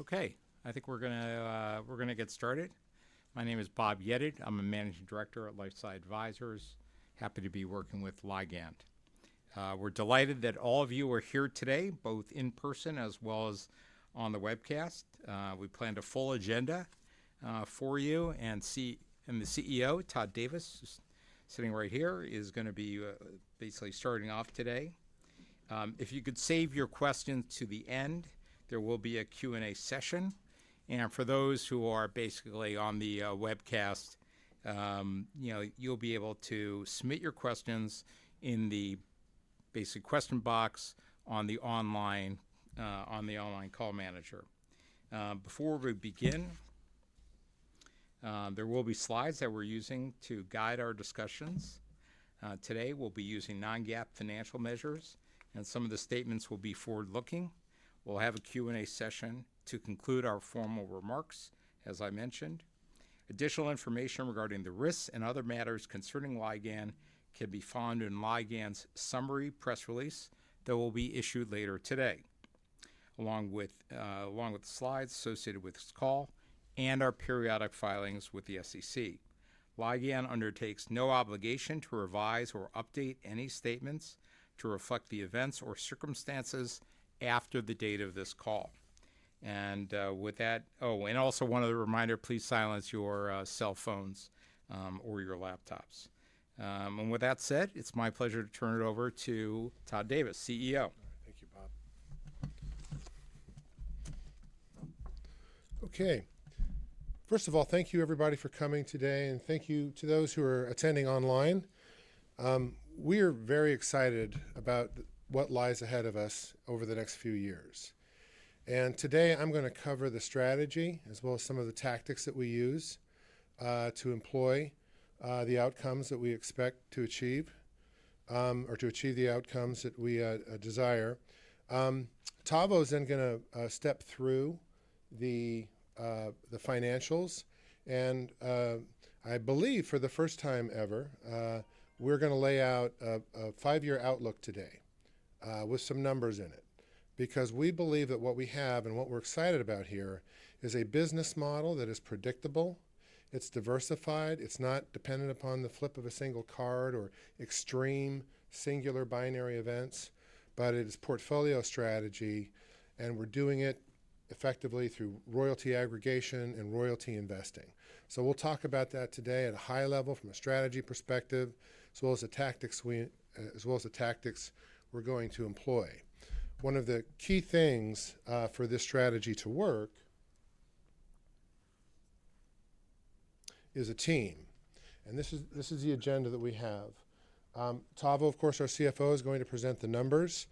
Okay, I think we're gonna get started. My name is Bob Yedid. I'm a Managing Director at LifeSci Advisors, happy to be working with Ligand. We're delighted that all of you are here today, both in person as well as on the webcast. We planned a full agenda for you, and the CEO, Todd Davis, who's sitting right here, is gonna be basically starting off today. If you could save your questions to the end, there will be a Q&A session. For those who are basically on the webcast, you know, you'll be able to submit your questions in the basic question box on the online call manager. Before we begin, there will be slides that we're using to guide our discussions. Today, we'll be using non-GAAP financial measures, and some of the statements will be forward-looking. We'll have a Q&A session to conclude our formal remarks, as I mentioned. Additional information regarding the risks and other matters concerning Ligand can be found in Ligand's summary press release that will be issued later today, along with the slides associated with this call and our periodic filings with the SEC. Ligand undertakes no obligation to revise or update any statements to reflect the events or circumstances after the date of this call. With that, one other reminder, please silence your cell phones or your laptops. With that said, it's my pleasure to turn it over to Todd Davis, CEO. Thank you, Bob. Okay. First of all, thank you, everybody, for coming today, and thank you to those who are attending online. We are very excited about what lies ahead of us over the next few years. Today I'm gonna cover the strategy, as well as some of the tactics that we use to employ the outcomes that we expect to achieve, or to achieve the outcomes that we desire. Tavo is then gonna step through the financials, and I believe for the first time ever, we're gonna lay out a five-year outlook today, with some numbers in it. Because we believe that what we have and what we're excited about here is a business model that is predictable, it's diversified, it's not dependent upon the flip of a single card or extreme singular binary events, but it is portfolio strategy, and we're doing it effectively through royalty aggregation and royalty investing. So we'll talk about that today at a high level from a strategy perspective, as well as the tactics we, as well as the tactics we're going to employ. One of the key things, for this strategy to work is a team, and this is the agenda that we have. Tavo, of course, our CFO, is going to present the numbers.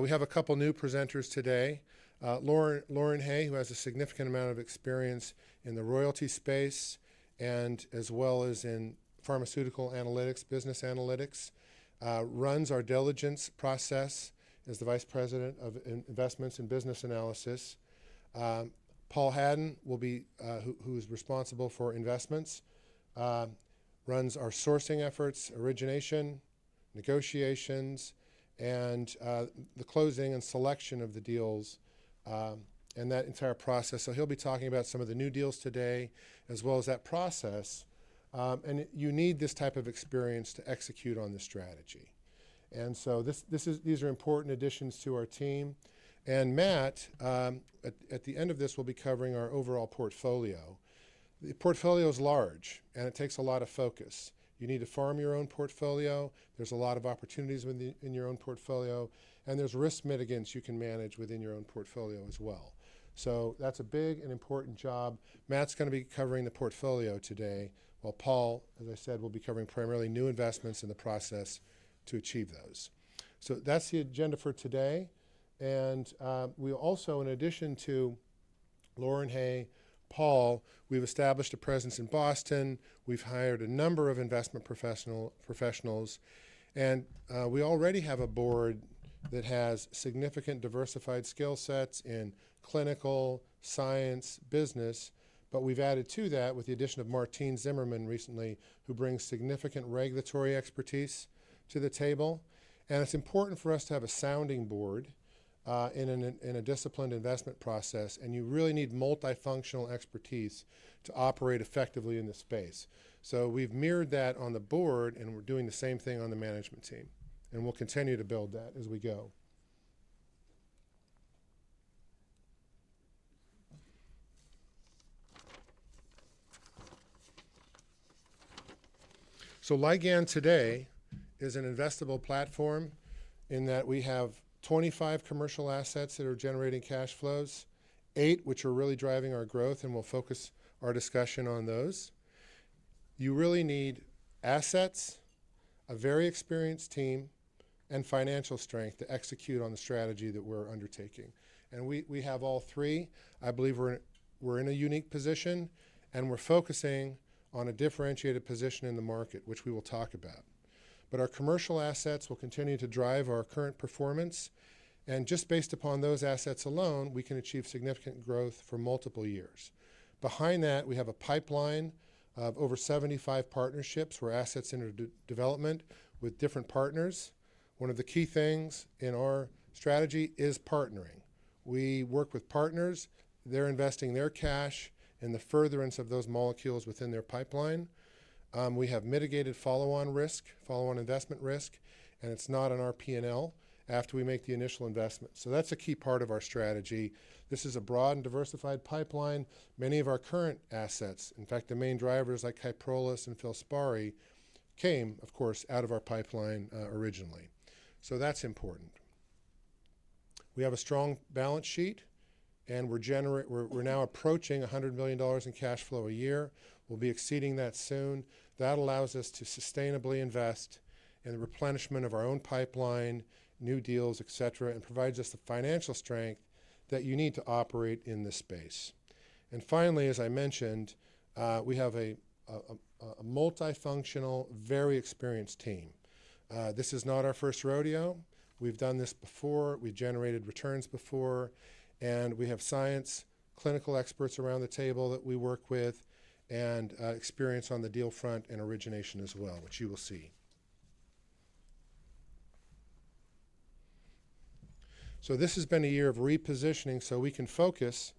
We have a couple new presenters today. Lauren, Lauren Hay, who has a significant amount of experience in the royalty space and as well as in pharmaceutical analytics, business analytics, runs our diligence process as the Vice President of investments and business analysis. Paul Hadden will be, who is responsible for investments, runs our sourcing efforts, origination, negotiations, and the closing and selection of the deals, and that entire process. So he'll be talking about some of the new deals today, as well as that process. You need this type of experience to execute on this strategy. So these are important additions to our team. Matt, at the end of this, will be covering our overall portfolio. The portfolio is large, and it takes a lot of focus. You need to farm your own portfolio. There's a lot of opportunities within the in your own portfolio, and there's risk mitigants you can manage within your own portfolio as well. So that's a big and important job. Matt's gonna be covering the portfolio today, while Paul, as I said, will be covering primarily new investments in the process to achieve those. So that's the agenda for today. And we also, in addition to Lauren Hay, Paul, we've established a presence in Boston. We've hired a number of investment professionals, and we already have a board that has significant diversified skill sets in clinical, science, business, but we've added to that with the addition of Martine Zimmermann recently, who brings significant regulatory expertise to the table. It's important for us to have a sounding board in a disciplined investment process, and you really need multifunctional expertise to operate effectively in this space. So we've mirrored that on the board, and we're doing the same thing on the management team, and we'll continue to build that as we go. So Ligand today is an investable platform in that we have 25 commercial assets that are generating cash flows, eight, which are really driving our growth, and we'll focus our discussion on those. You really need assets, a very experienced team, and financial strength to execute on the strategy that we're undertaking. We have all three. I believe we're in a unique position, and we're focusing on a differentiated position in the market, which we will talk about. But our commercial assets will continue to drive our current performance, and just based upon those assets alone, we can achieve significant growth for multiple years. Behind that, we have a pipeline of over 75 partnerships where assets are under development with different partners. One of the key things in our strategy is partnering. We work with partners. They're investing their cash in the furtherance of those molecules within their pipeline. We have mitigated follow-on risk, follow-on investment risk, and it's not on our P&L after we make the initial investment. So that's a key part of our strategy. This is a broad and diversified pipeline. Many of our current assets, in fact, the main drivers like Kyprolis and Filspari, came, of course, out of our pipeline, originally. So that's important. We have a strong balance sheet, and we're now approaching $100 million in cash flow a year. We'll be exceeding that soon. That allows us to sustainably invest in the replenishment of our own pipeline, new deals, et cetera, and provides us the financial strength that you need to operate in this space. Finally, as I mentioned, we have a multifunctional, very experienced team. This is not our first rodeo. We've done this before. We've generated returns before, and we have science clinical experts around the table that we work with and experience on the deal front and origination as well, which you will see. So this has been a year of repositioning so we can focus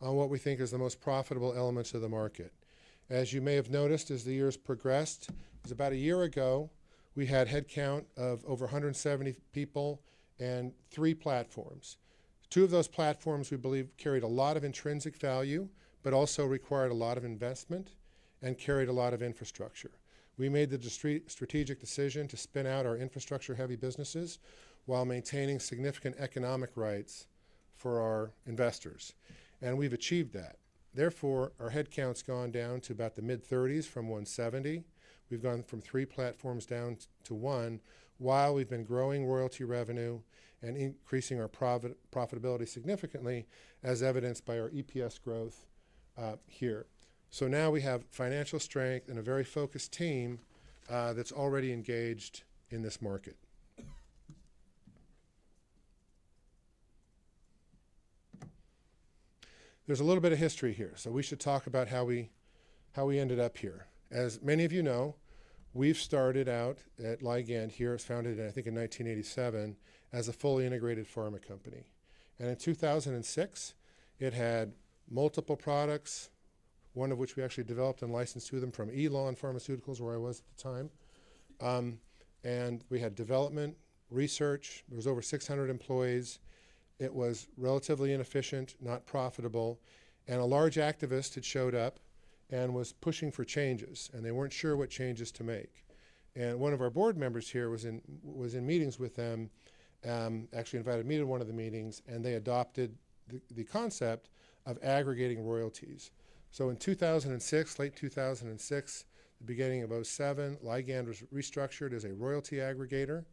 on what we think is the most profitable elements of the market. As you may have noticed, as the years progressed, it's about a year ago, we had headcount of over 170 people and three platforms. Two of those platforms, we believe, carried a lot of intrinsic value, but also required a lot of investment and carried a lot of infrastructure. We made the strategic decision to spin out our infrastructure-heavy businesses while maintaining significant economic rights for our investors, and we've achieved that. Therefore, our headcount's gone down to about the mid-30s from 170. We've gone from three platforms down to one, while we've been growing royalty revenue and increasing our profitability significantly, as evidenced by our EPS growth here. So now we have financial strength and a very focused team that's already engaged in this market. There's a little bit of history here, so we should talk about how we ended up here. As many of you know, we've started out at Ligand here, it was founded, I think, in 1987, as a fully integrated pharma company. And in 2006, it had multiple products, one of which we actually developed and licensed to them from Elan Pharmaceuticals, where I was at the time. And we had development, research. There was over 600 employees. It was relatively inefficient, not profitable, and a large activist had showed up and was pushing for changes, and they weren't sure what changes to make. And one of our board members here was in meetings with them, actually invited me to one of the meetings, and they adopted the concept of aggregating royalties. So in 2006, late 2006, the beginning of 2007, Ligand was restructured as a royalty aggregator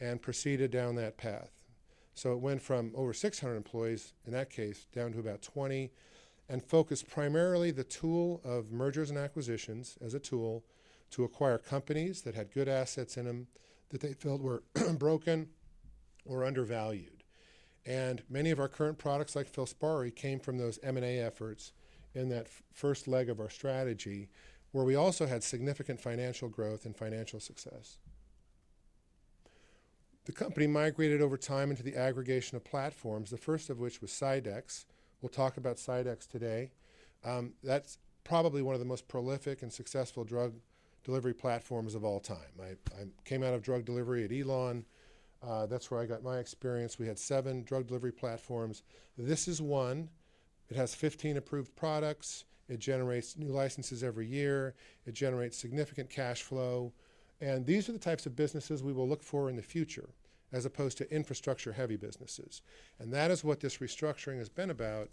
and proceeded down that path. So it went from over 600 employees, in that case, down to about 20 and focused primarily the tool of mergers and acquisitions as a tool to acquire companies that had good assets in them that they felt were broken or undervalued. And many of our current products, like Filspari, came from those M&A efforts in that first leg of our strategy, where we also had significant financial growth and financial success. The company migrated over time into the aggregation of platforms, the first of which was Captisol. We'll talk about Captisol today. That's probably one of the most prolific and successful drug delivery platforms of all time. I came out of drug delivery at Elan. That's where I got my experience. We had seven drug delivery platforms. This is one. It has 15 approved products. It generates new licenses every year. It generates significant cash flow, and these are the types of businesses we will look for in the future, as opposed to infrastructure-heavy businesses. And that is what this restructuring has been about,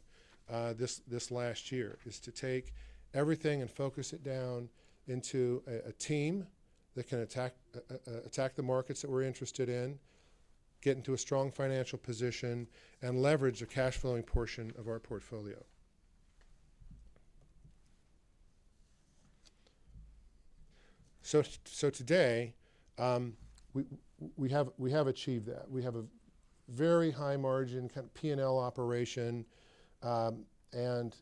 this last year, is to take everything and focus it down into a team that can attack the markets that we're interested in, get into a strong financial position, and leverage the cash flowing portion of our portfolio. So today, we have achieved that. We have a very high margin kind of P&L operation, and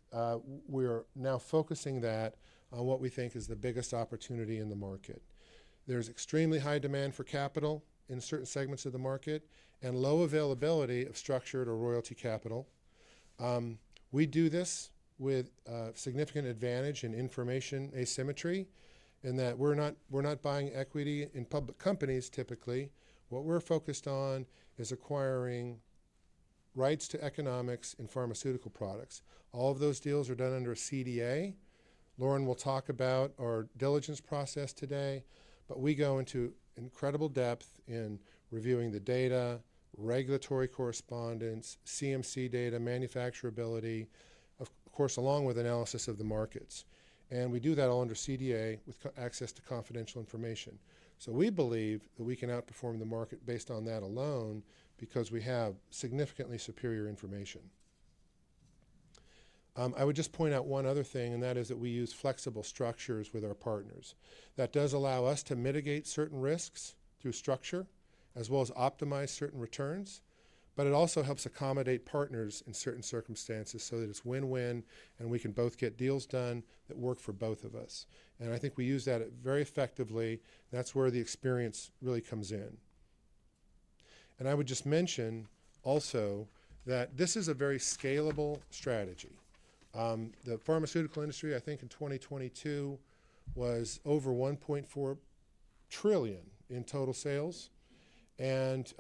we're now focusing that on what we think is the biggest opportunity in the market. There's extremely high demand for capital in certain segments of the market and low availability of structured or royalty capital. We do this with significant advantage in information asymmetry, in that we're not, we're not buying equity in public companies, typically. What we're focused on is acquiring rights to economics in pharmaceutical products. All of those deals are done under a CDA. Lauren will talk about our diligence process today, but we go into incredible depth in reviewing the data, regulatory correspondence, CMC data, manufacturability, of course, along with analysis of the markets. And we do that all under CDA with confidential access to confidential information. So we believe that we can outperform the market based on that alone because we have significantly superior information. I would just point out one other thing, and that is that we use flexible structures with our partners. That does allow us to mitigate certain risks through structure, as well as optimize certain returns, but it also helps accommodate partners in certain circumstances so that it's win-win, and we can both get deals done that work for both of us. I think we use that very effectively. That's where the experience really comes in. I would just mention also that this is a very scalable strategy. The pharmaceutical industry, I think in 2022, was over $1.4 trillion in total sales, and,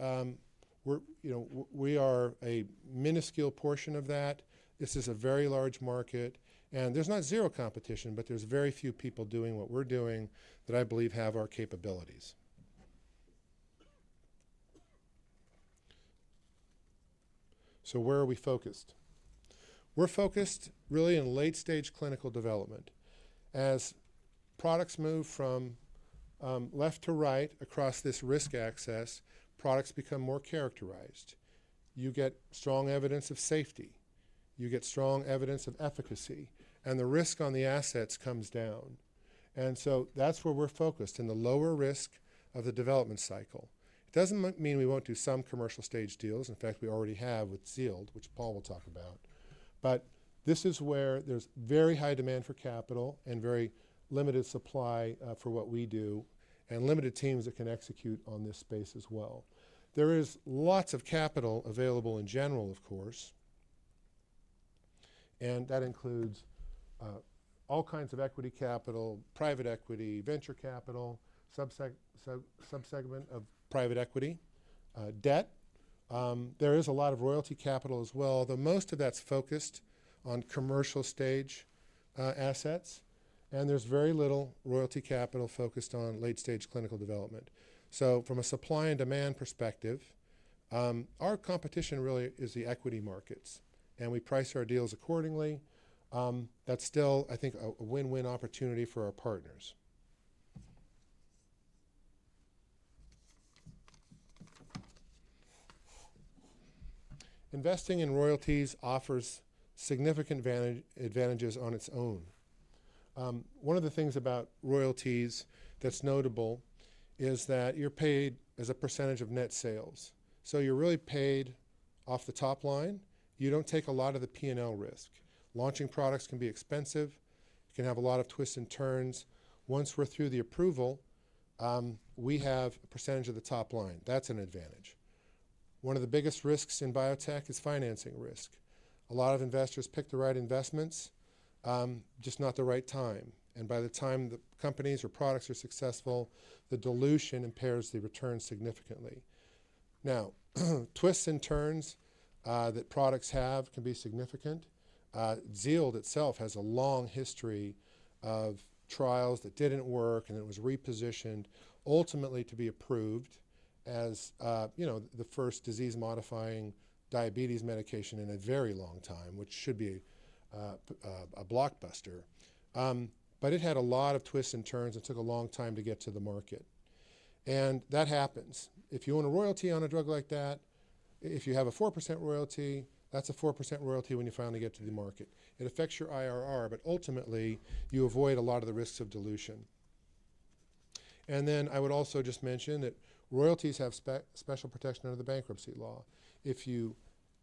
we're, you know, we are a minuscule portion of that. This is a very large market, and there's not zero competition, but there's very few people doing what we're doing that I believe have our capabilities. So where are we focused? We're focused really in late-stage clinical development. As products move from left to right across this risk axis, products become more characterized. You get strong evidence of safety, you get strong evidence of efficacy, and the risk on the assets comes down. And so that's where we're focused, in the lower risk of the development cycle. It doesn't mean we won't do some commercial stage deals. In fact, we already have with Zealand, which Paul will talk about. But this is where there's very high demand for capital and very limited supply for what we do, and limited teams that can execute on this space as well. There is lots of capital available in general, of course, and that includes all kinds of equity capital, private equity, venture capital, sub-subsegment of private equity, debt. There is a lot of royalty capital as well, though most of that's focused on commercial stage assets, and there's very little royalty capital focused on late-stage clinical development. So from a supply and demand perspective, our competition really is the equity markets, and we price our deals accordingly. That's still, I think, a win-win opportunity for our partners. Investing in royalties offers significant advantages on its own. One of the things about royalties that's notable is that you're paid as a percentage of net sales. So you're really paid off the top line. You don't take a lot of the P&L risk. Launching products can be expensive. It can have a lot of twists and turns. Once we're through the approval, we have a percentage of the top line. That's an advantage. One of the biggest risks in biotech is financing risk. A lot of investors pick the right investments, just not the right time, and by the time the companies or products are successful, the dilution impairs the return significantly. Now, twists and turns that products have can be significant. Zealand itself has a long history of trials that didn't work, and it was repositioned ultimately to be approved as, you know, the first disease-modifying diabetes medication in a very long time, which should be a, a blockbuster. But it had a lot of twists and turns. It took a long time to get to the market, and that happens. If you own a royalty on a drug like that, if you have a 4% royalty, that's a 4% royalty when you finally get to the market. It affects your IRR, but ultimately, you avoid a lot of the risks of dilution. And then I would also just mention that royalties have special protection under the bankruptcy law. If you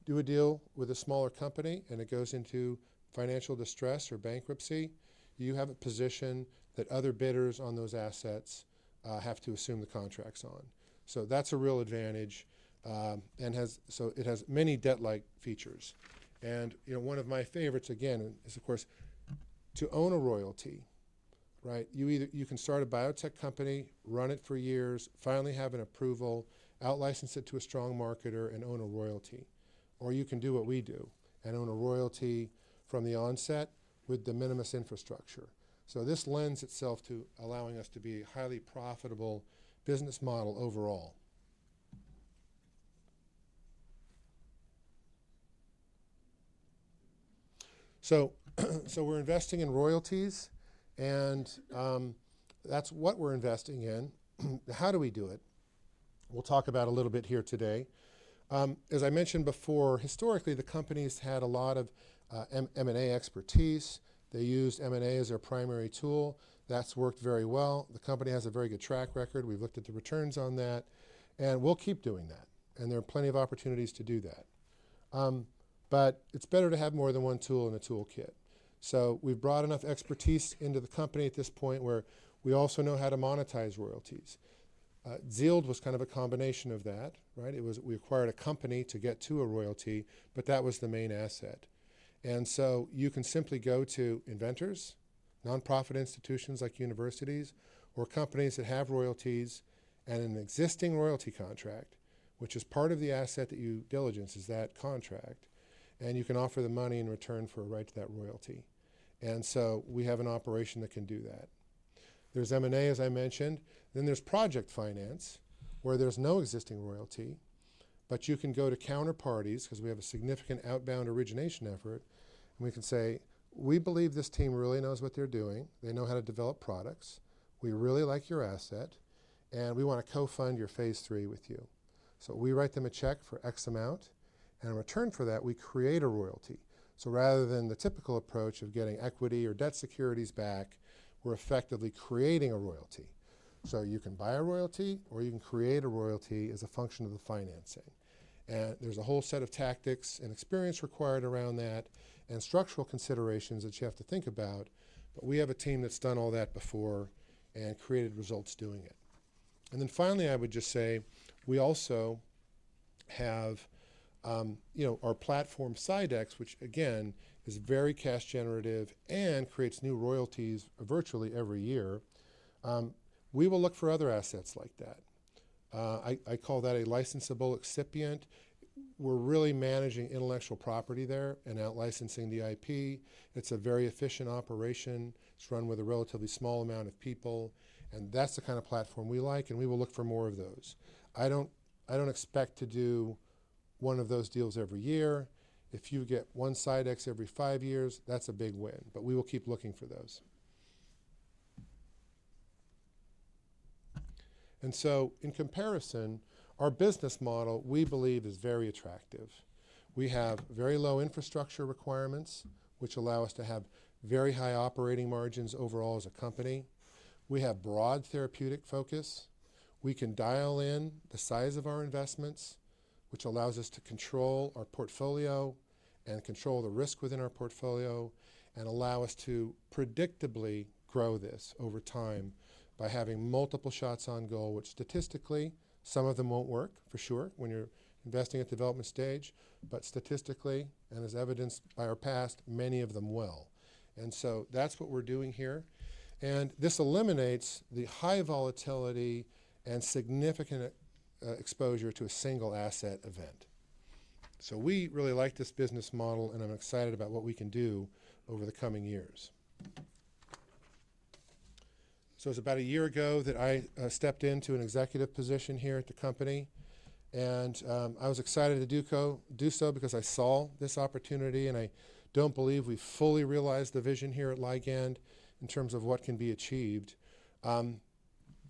do a deal with a smaller company and it goes into financial distress or bankruptcy, you have a position that other bidders on those assets have to assume the contracts on. So that's a real advantage, and so it has many debt-like features. And, you know, one of my favorites, again, is, of course, to own a royalty, right? You either can start a biotech company, run it for years, finally have an approval, out-license it to a strong marketer, and own a royalty, or you can do what we do and own a royalty from the onset with de minimis infrastructure. So this lends itself to allowing us to be a highly profitable business model overall. So, so we're investing in royalties, and, that's what we're investing in. How do we do it? We'll talk about a little bit here today. As I mentioned before, historically, the companies had a lot of, M&A expertise. They used M&A as their primary tool. That's worked very well. The company has a very good track record. We've looked at the returns on that, and we'll keep doing that, and there are plenty of opportunities to do that. But it's better to have more than one tool in a toolkit. So we've brought enough expertise into the company at this point where we also know how to monetize royalties. Zealand was kind of a combination of that, right? It was. We acquired a company to get to a royalty, but that was the main asset. And so you can simply go to inventors, nonprofit institutions like universities or companies that have royalties and an existing royalty contract, which is part of the asset that you diligence, is that contract, and you can offer them money in return for a right to that royalty. And so we have an operation that can do that. There's M&A, as I mentioned, then there's project finance, where there's no existing royalty, but you can go to counterparties because we have a significant outbound origination effort, and we can say, "We believe this team really knows what they're doing. They know how to develop products. We really like your asset, and we wanna co-fund your phase III with you." So we write them a check for X amount, and in return for that, we create a royalty. So rather than the typical approach of getting equity or debt securities back, we're effectively creating a royalty. So you can buy a royalty, or you can create a royalty as a function of the financing. And there's a whole set of tactics and experience required around that, and structural considerations that you have to think about. But we have a team that's done all that before and created results doing it. And then finally, I would just say we also have, you know, our platform, CyDex, which again, is very cash generative and creates new royalties virtually every year. We will look for other assets like that. I call that a licensable excipient. We're really managing intellectual property there and out licensing the IP. It's a very efficient operation. It's run with a relatively small amount of people, and that's the kind of platform we like, and we will look for more of those. I don't, I don't expect to do one of those deals every year. If you get one CyDex every five years, that's a big win, but we will keep looking for those. And so in comparison, our business model, we believe, is very attractive. We have very low infrastructure requirements, which allow us to have very high operating margins overall as a company. We have broad therapeutic focus. We can dial in the size of our investments, which allows us to control our portfolio and control the risk within our portfolio, and allow us to predictably grow this over time by having multiple shots on goal, which statistically, some of them won't work, for sure, when you're investing at development stage, but statistically, and as evidenced by our past, many of them will. And so that's what we're doing here, and this eliminates the high volatility and significant exposure to a single asset event. So we really like this business model, and I'm excited about what we can do over the coming years. So it's about a year ago that I stepped into an executive position here at the company, and I was excited to do so because I saw this opportunity, and I don't believe we've fully realized the vision here at Ligand in terms of what can be achieved.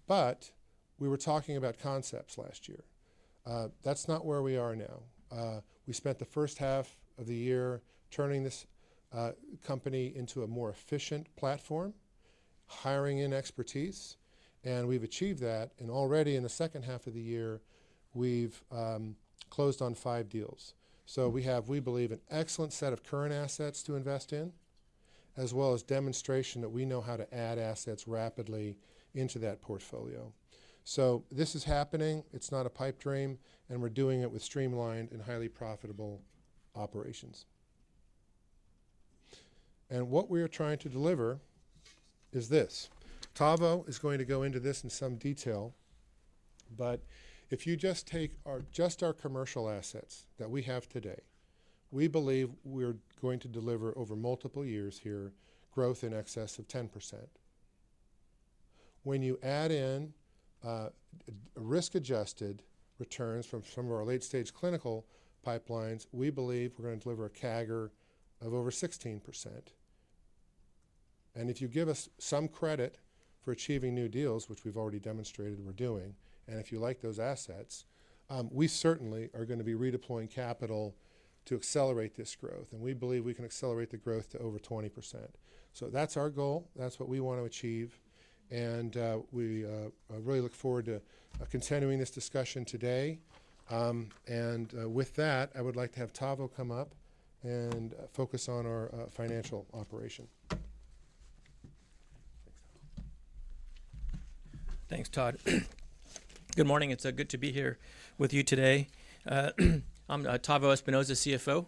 But we were talking about concepts last year. That's not where we are now. We spent the first half of the year turning this company into a more efficient platform, hiring in expertise, and we've achieved that, and already in the second half of the year, we've closed on five deals. So we have, we believe, an excellent set of current assets to invest in, as well as demonstration that we know how to add assets rapidly into that portfolio. So this is happening, it's not a pipe dream, and we're doing it with streamlined and highly profitable operations. And what we are trying to deliver is this: Tavo is going to go into this in some detail, but if you just take our—just our commercial assets that we have today, we believe we're going to deliver, over multiple years here, growth in excess of 10%. When you add in, risk-adjusted returns from some of our late-stage clinical pipelines, we believe we're going to deliver a CAGR of over 16%. And if you give us some credit for achieving new deals, which we've already demonstrated we're doing, and if you like those assets, we certainly are gonna be redeploying capital to accelerate this growth, and we believe we can accelerate the growth to over 20%. So that's our goal, that's what we want to achieve, and we really look forward to continuing this discussion today. And with that, I would like to have Tavo come up and focus on our financial operation. Thanks, Tavo. Thanks, Todd. Good morning. It's good to be here with you today. I'm Tavo Espinoza, CFO.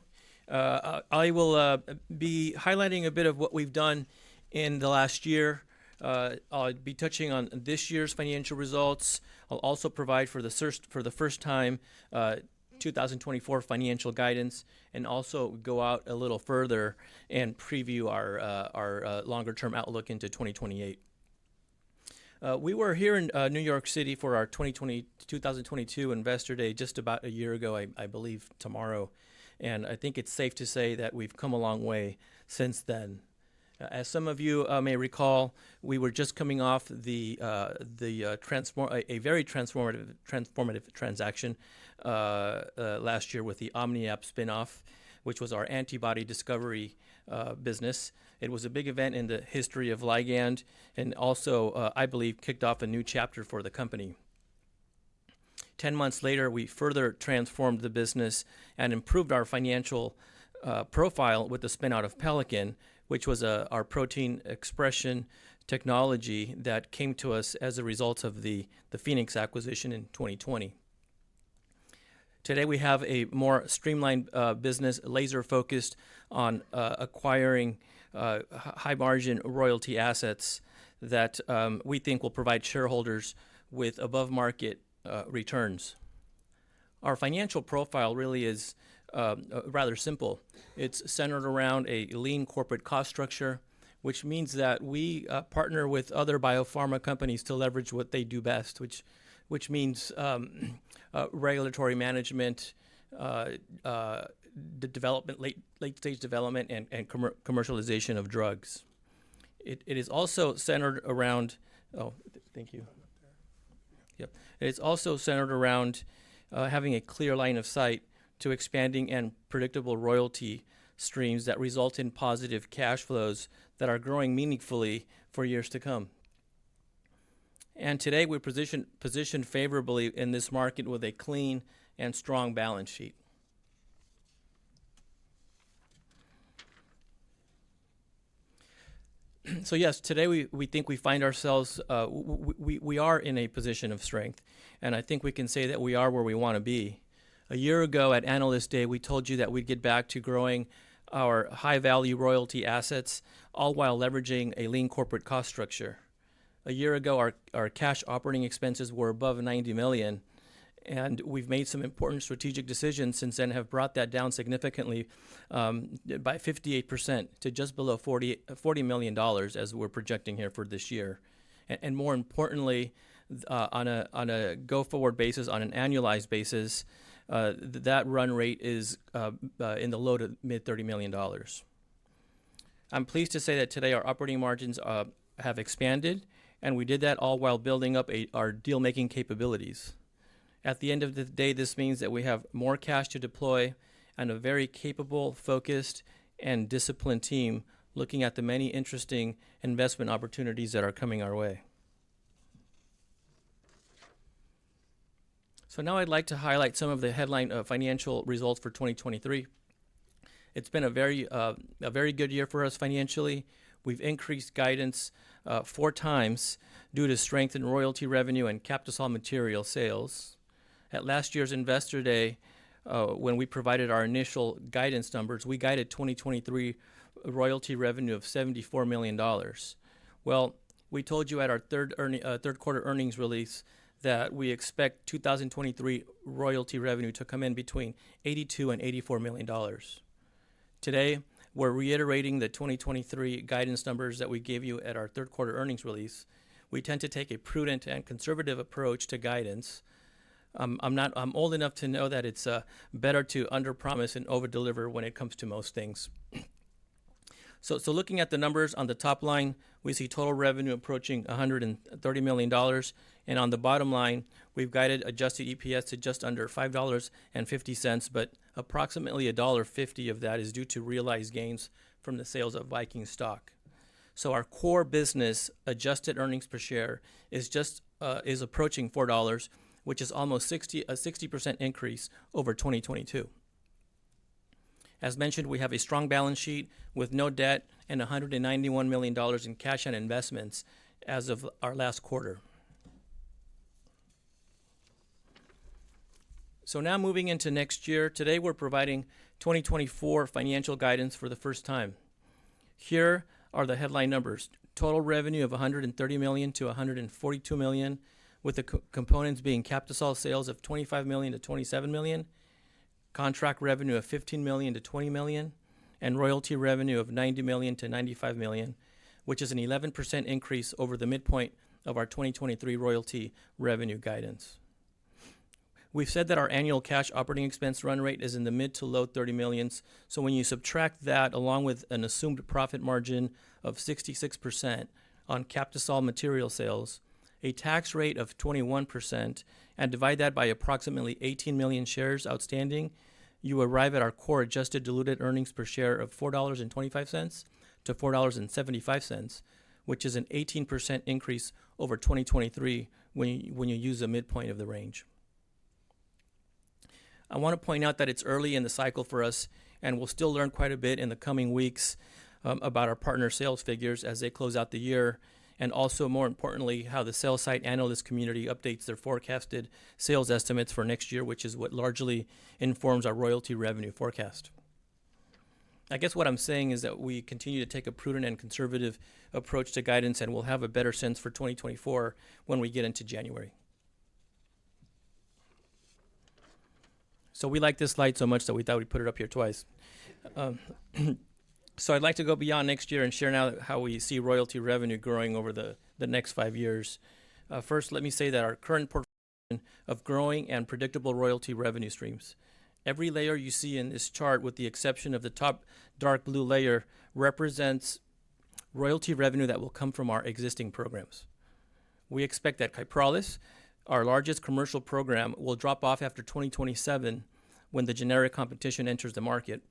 I will be highlighting a bit of what we've done in the last year. I'll be touching on this year's financial results. I'll also provide, for the first time, 2024 financial guidance, and also go out a little further and preview our longer-term outlook into 2028. We were here in New York City for our 2022 Investor Day, just about a year ago, I believe tomorrow, and I think it's safe to say that we've come a long way since then. As some of you may recall, we were just coming off the transformative transaction last year with the OmniAb spin-off, which was our antibody discovery business. It was a big event in the history of Ligand, and also, I believe, kicked off a new chapter for the company. 10 months later, we further transformed the business and improved our financial profile with the spin-out of Pelican, which was our protein expression technology that came to us as a result of the Pfenex acquisition in 2020. Today, we have a more streamlined business, laser focused on acquiring high-margin royalty assets that we think will provide shareholders with above-market returns. Our financial profile really is rather simple. It's centered around a lean corporate cost structure, which means that we partner with other biopharma companies to leverage what they do best, which means regulatory management, late-stage development and commercialization of drugs. It is also centered around... Oh, thank you. Up there. Yep. It's also centered around having a clear line of sight to expanding and predictable royalty streams that result in positive cash flows that are growing meaningfully for years to come. And today, we're positioned, positioned favorably in this market with a clean and strong balance sheet. So yes, today we think we find ourselves, we are in a position of strength, and I think we can say that we are where we wanna be. A year ago, at Analyst Day, we told you that we'd get back to growing our high-value royalty assets, all while leveraging a lean corporate cost structure. A year ago, our cash operating expenses were above $90 million, and we've made some important strategic decisions since then, have brought that down significantly, by 58% to just below $40 million, as we're projecting here for this year. And more importantly, on a go-forward basis, on an annualized basis, that run rate is in the low- to mid-$30 million. I'm pleased to say that today our operating margins have expanded, and we did that all while building up our deal-making capabilities. At the end of the day, this means that we have more cash to deploy and a very capable, focused, and disciplined team looking at the many interesting investment opportunities that are coming our way. So now I'd like to highlight some of the headline financial results for 2023. It's been a very good year for us financially. We've increased guidance 4x due to strength in royalty revenue and Captisol material sales. At last year's Investor Day, when we provided our initial guidance numbers, we guided 2023 royalty revenue of $74 million. Well, we told you at our third quarter earnings release that we expect 2023 royalty revenue to come in between $82 million and $84 million. Today, we're reiterating the 2023 guidance numbers that we gave you at our third quarter earnings release. We tend to take a prudent and conservative approach to guidance. I'm old enough to know that it's better to underpromise and overdeliver when it comes to most things. So, looking at the numbers on the top line, we see total revenue approaching $130 million, and on the bottom line, we've guided adjusted EPS to just under $5.50, but approximately $1.50 of that is due to realized gains from the sales of Viking stock. So our core business adjusted earnings per share is just, is approaching $4, which is almost 60%--a 60% increase over 2022. As mentioned, we have a strong balance sheet with no debt and $191 million in cash and investments as of our last quarter. So now moving into next year, today, we're providing 2024 financial guidance for the first time. Here are the headline numbers: total revenue of $130 million-$142 million, with the components being Captisol sales of $25 million-$27 million, contract revenue of $15 million-$20 million, and royalty revenue of $90 million-$95 million, which is an 11% increase over the midpoint of our 2023 royalty revenue guidance. We've said that our annual cash operating expense run rate is in the mid- to low 30 millions. So when you subtract that, along with an assumed profit margin of 66% on Captisol material sales, a tax rate of 21%, and divide that by approximately 18 million shares outstanding, you arrive at our core adjusted diluted earnings per share of $4.25-$4.75, which is an 18% increase over 2023 when you, when you use the midpoint of the range. I want to point out that it's early in the cycle for us, and we'll still learn quite a bit in the coming weeks, about our partner sales figures as they close out the year, and also, more importantly, how the sales side analyst community updates their forecasted sales estimates for next year, which is what largely informs our royalty revenue forecast. I guess what I'm saying is that we continue to take a prudent and conservative approach to guidance, and we'll have a better sense for 2024 when we get into January. So we like this slide so much that we thought we'd put it up here twice. So I'd like to go beyond next year and share now how we see royalty revenue growing over the next five years. First, let me say that our current portfolio of growing and predictable royalty revenue streams. Every layer you see in this chart, with the exception of the top dark blue layer, represents royalty revenue that will come from our existing programs. We expect that Kyprolis, our largest commercial program, will drop off after 2027, when the generic competition enters the market.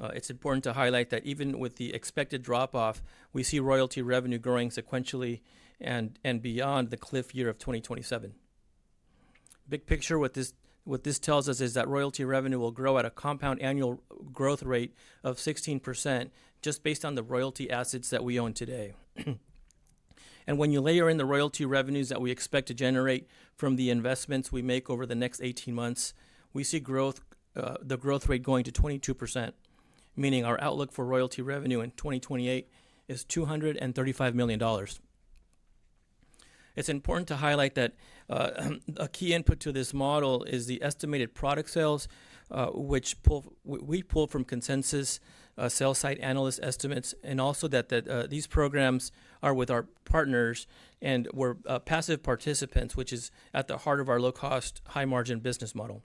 It's important to highlight that even with the expected drop-off, we see royalty revenue growing sequentially and beyond the cliff year of 2027. Big picture, what this tells us is that royalty revenue will grow at a compound annual growth rate of 16%, just based on the royalty assets that we own today. And when you layer in the royalty revenues that we expect to generate from the investments we make over the next eighteen months, we see the growth rate going to 22%, meaning our outlook for royalty revenue in 2028 is $235 million. It's important to highlight that, a key input to this model is the estimated product sales, which we pull from consensus, sell-side analyst estimates, and also that these programs are with our partners, and we're passive participants, which is at the heart of our low-cost, high-margin business model.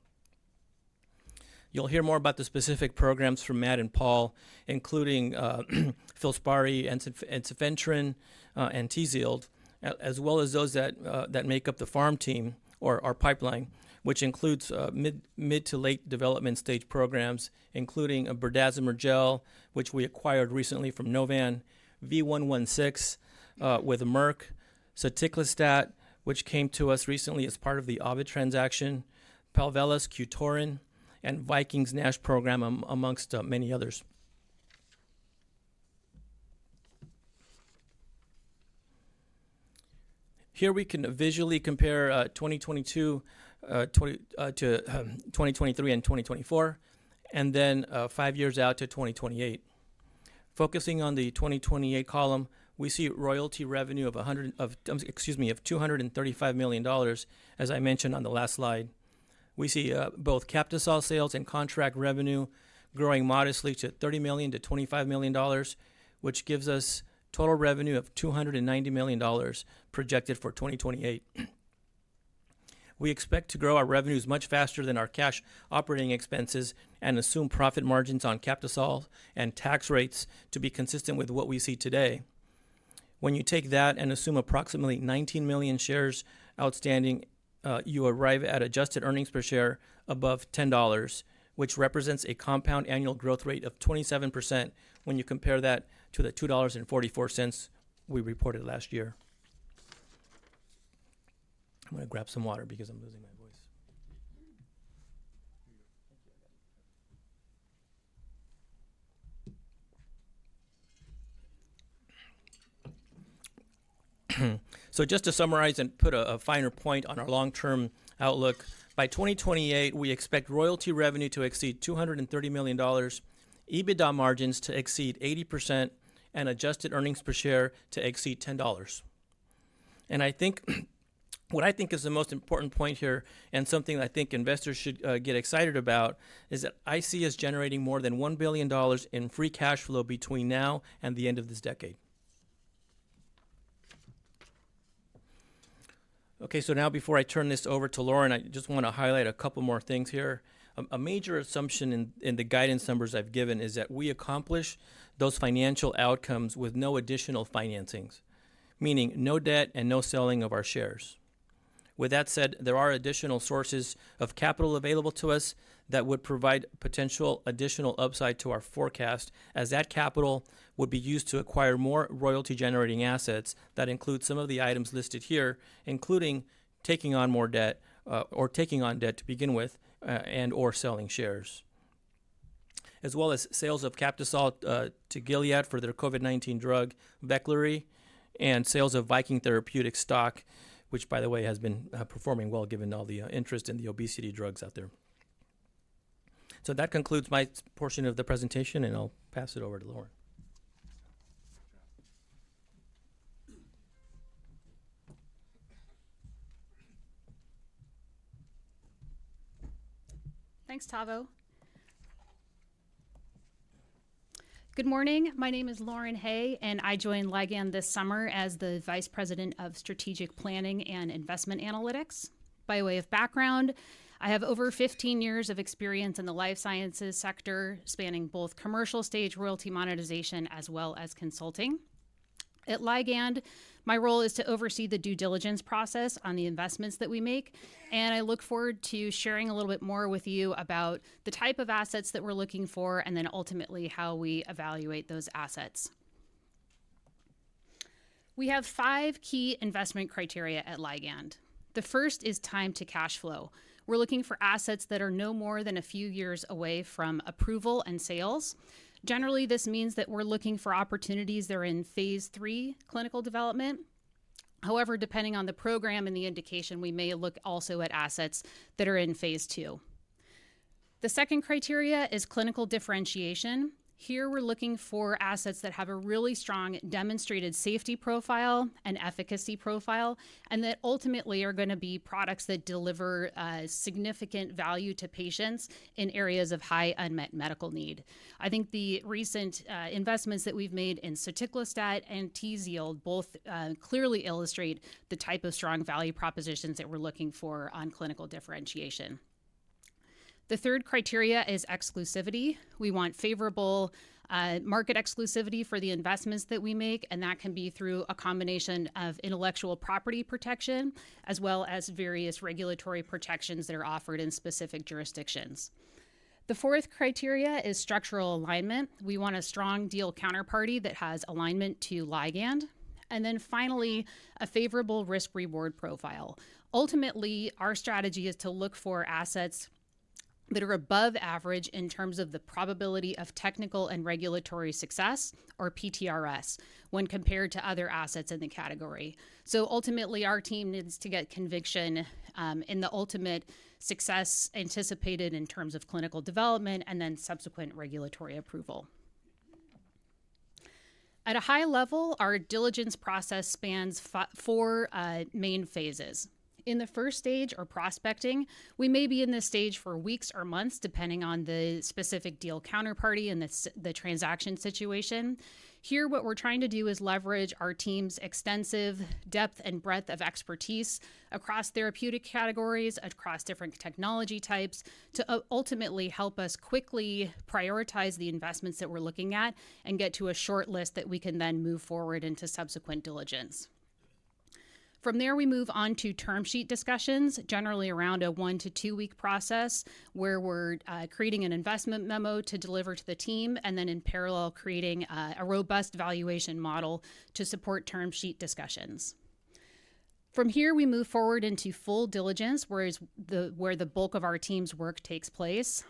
You'll hear more about the specific programs from Matt and Paul, including Filspari, Ensifentrine, and Tzield, as well as those that make up the farm team or our pipeline, which includes mid- to late development stage programs, including Berdazimer Gel, which we acquired recently from Novan, V116 with Merck, Soticlestat, which came to us recently as part of the Ovid transaction, Palvella's QTORIN, and Viking's NASH program amongst many others. Here we can visually compare 2022 to 2023 and 2024, and then five years out to 2028. Focusing on the 2028 column, we see royalty revenue of, excuse me, $235 million, as I mentioned on the last slide. We see both Captisol sales and contract revenue growing modestly to $30 million to $25 million, which gives us total revenue of $290 million projected for 2028. We expect to grow our revenues much faster than our cash operating expenses and assume profit margins on Captisol and tax rates to be consistent with what we see today. When you take that and assume approximately 19 million shares outstanding, you arrive at adjusted earnings per share above $10, which represents a compound annual growth rate of 27% when you compare that to the $2.44 we reported last year. I'm gonna grab some water because I'm losing my voice. So just to summarize and put a finer point on our long-term outlook, by 2028, we expect royalty revenue to exceed $230 million, EBITDA margins to exceed 80%, and adjusted earnings per share to exceed $10. And I think, what I think is the most important point here, and something I think investors should get excited about, is that I see us generating more than $1 billion in free cash flow between now and the end of this decade. Okay, so now before I turn this over to Lauren, I just want to highlight a couple more things here. A major assumption in the guidance numbers I've given is that we accomplish those financial outcomes with no additional financings, meaning no debt and no selling of our shares. With that said, there are additional sources of capital available to us that would provide potential additional upside to our forecast, as that capital would be used to acquire more royalty-generating assets. That includes some of the items listed here, including taking on more debt or taking on debt to begin with and/or selling shares, as well as sales of Captisol to Gilead for their COVID-19 drug, Veklury, and sales of Viking Therapeutics stock, which, by the way, has been performing well, given all the interest in the obesity drugs out there. That concludes my portion of the presentation, and I'll pass it over to Lauren. Thanks, Tavo. Good morning. My name is Lauren Hay, and I joined Ligand this summer as the Vice President of Strategic Planning and Investment Analytics. By way of background, I have over 15 years of experience in the life sciences sector, spanning both commercial stage royalty monetization as well as consulting. At Ligand, my role is to oversee the due diligence process on the investments that we make, and I look forward to sharing a little bit more with you about the type of assets that we're looking for, and then ultimately, how we evaluate those assets. We have five key investment criteria at Ligand. The first is time to cash flow. We're looking for assets that are no more than a few years away from approval and sales. Generally, this means that we're looking for opportunities that are in phase III clinical development. However, depending on the program and the indication, we may look also at assets that are in phase II. The second criteria is clinical differentiation. Here, we're looking for assets that have a really strong demonstrated safety profile and efficacy profile, and that ultimately are gonna be products that deliver significant value to patients in areas of high unmet medical need. I think the recent investments that we've made in soticlestat and Tzield both clearly illustrate the type of strong value propositions that we're looking for on clinical differentiation. The third criteria is exclusivity. We want favorable market exclusivity for the investments that we make, and that can be through a combination of intellectual property protection, as well as various regulatory protections that are offered in specific jurisdictions. The fourth criteria is structural alignment. We want a strong deal counterparty that has alignment to Ligand, and then finally, a favorable risk-reward profile. Ultimately, our strategy is to look for assets that are above average in terms of the probability of technical and regulatory success, or PTRS, when compared to other assets in the category. So ultimately, our team needs to get conviction in the ultimate success anticipated in terms of clinical development and then subsequent regulatory approval. At a high level, our diligence process spans four main phases. In the first stage, or prospecting, we may be in this stage for weeks or months, depending on the specific deal counterparty and the transaction situation. Here, what we're trying to do is leverage our team's extensive depth and breadth of expertise across therapeutic categories, across different technology types, to ultimately help us quickly prioritize the investments that we're looking at and get to a shortlist that we can then move forward into subsequent diligence. From there, we move on to term sheet discussions, generally around a 1-2-week process, where we're creating an investment memo to deliver to the team, and then in parallel, creating a robust valuation model to support term sheet discussions. From here, we move forward into full diligence, where the bulk of our team's work takes place.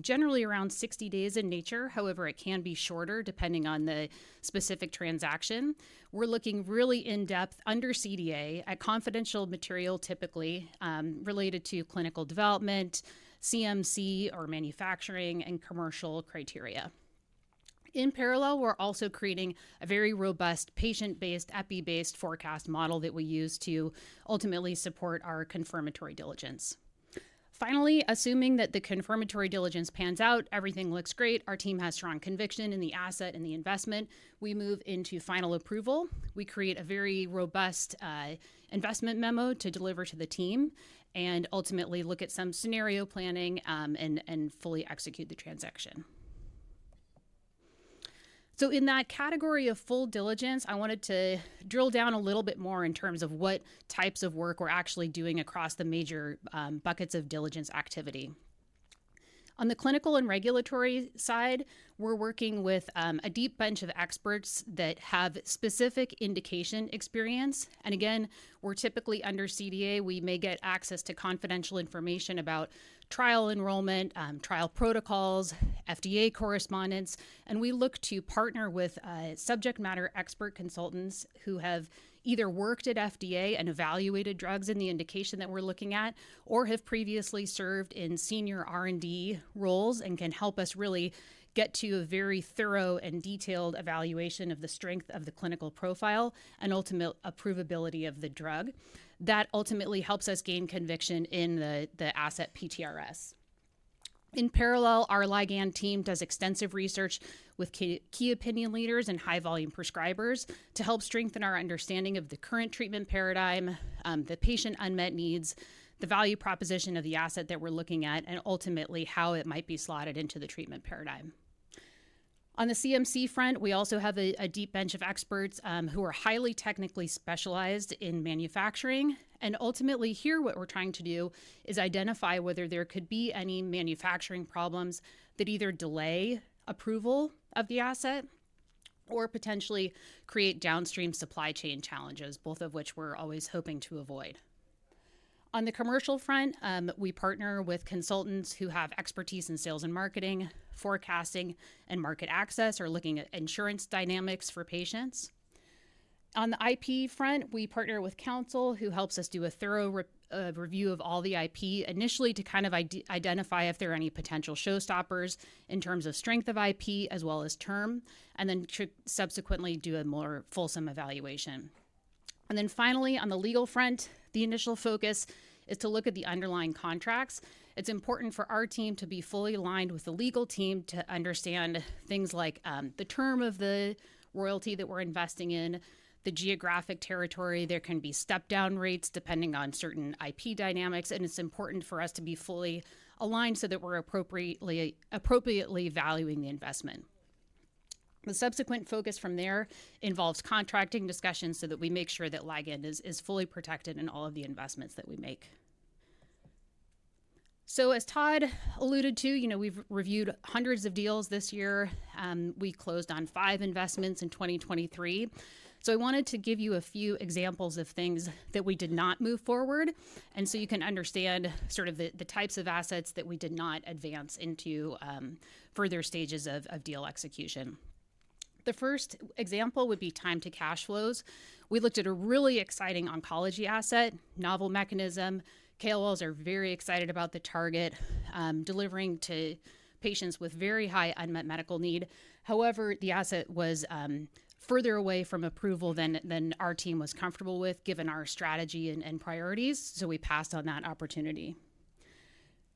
Generally around 60 days in nature, however, it can be shorter, depending on the specific transaction. We're looking really in-depth under CDA, at confidential material, typically related to clinical development, CMC or manufacturing, and commercial criteria. In parallel, we're also creating a very robust, patient-based, epi-based forecast model that we use to ultimately support our confirmatory diligence. Finally, assuming that the confirmatory diligence pans out, everything looks great, our team has strong conviction in the asset and the investment, we move into final approval. We create a very robust, investment memo to deliver to the team and ultimately look at some scenario planning, and fully execute the transaction. So in that category of full diligence, I wanted to drill down a little bit more in terms of what types of work we're actually doing across the major, buckets of diligence activity. On the clinical and regulatory side, we're working with, a deep bench of experts that have specific indication experience, and again, we're typically under CDA. We may get access to confidential information about trial enrollment, trial protocols, FDA correspondence, and we look to partner with, subject matter expert consultants who have either worked at FDA and evaluated drugs in the indication that we're looking at, or have previously served in senior R&D roles and can help us really get to a very thorough and detailed evaluation of the strength of the clinical profile and ultimate approvability of the drug. That ultimately helps us gain conviction in the, the asset PTRS. In parallel, our Ligand team does extensive research with key, key opinion leaders and high-volume prescribers to help strengthen our understanding of the current treatment paradigm, the patient unmet needs, the value proposition of the asset that we're looking at, and ultimately how it might be slotted into the treatment paradigm. On the CMC front, we also have a deep bench of experts who are highly technically specialized in manufacturing, and ultimately here, what we're trying to do is identify whether there could be any manufacturing problems that either delay approval of the asset or potentially create downstream supply chain challenges, both of which we're always hoping to avoid. On the commercial front, we partner with consultants who have expertise in sales and marketing, forecasting, and market access, or looking at insurance dynamics for patients. On the IP front, we partner with counsel who helps us do a thorough review of all the IP, initially to kind of identify if there are any potential showstoppers in terms of strength of IP as well as term, and then to subsequently do a more fulsome evaluation. Then finally, on the legal front, the initial focus is to look at the underlying contracts. It's important for our team to be fully aligned with the legal team to understand things like, the term of the royalty that we're investing in, the geographic territory. There can be step-down rates depending on certain IP dynamics, and it's important for us to be fully aligned so that we're appropriately, appropriately valuing the investment. The subsequent focus from there involves contracting discussions so that we make sure that Ligand is, is fully protected in all of the investments that we make. So as Todd alluded to, you know, we've reviewed hundreds of deals this year, we closed on five investments in 2023. So I wanted to give you a few examples of things that we did not move forward, and so you can understand sort of the types of assets that we did not advance into further stages of deal execution. The first example would be time to cash flows. We looked at a really exciting oncology asset, novel mechanism. KOLs are very excited about the target delivering to patients with very high unmet medical need. However, the asset was further away from approval than our team was comfortable with, given our strategy and priorities, so we passed on that opportunity.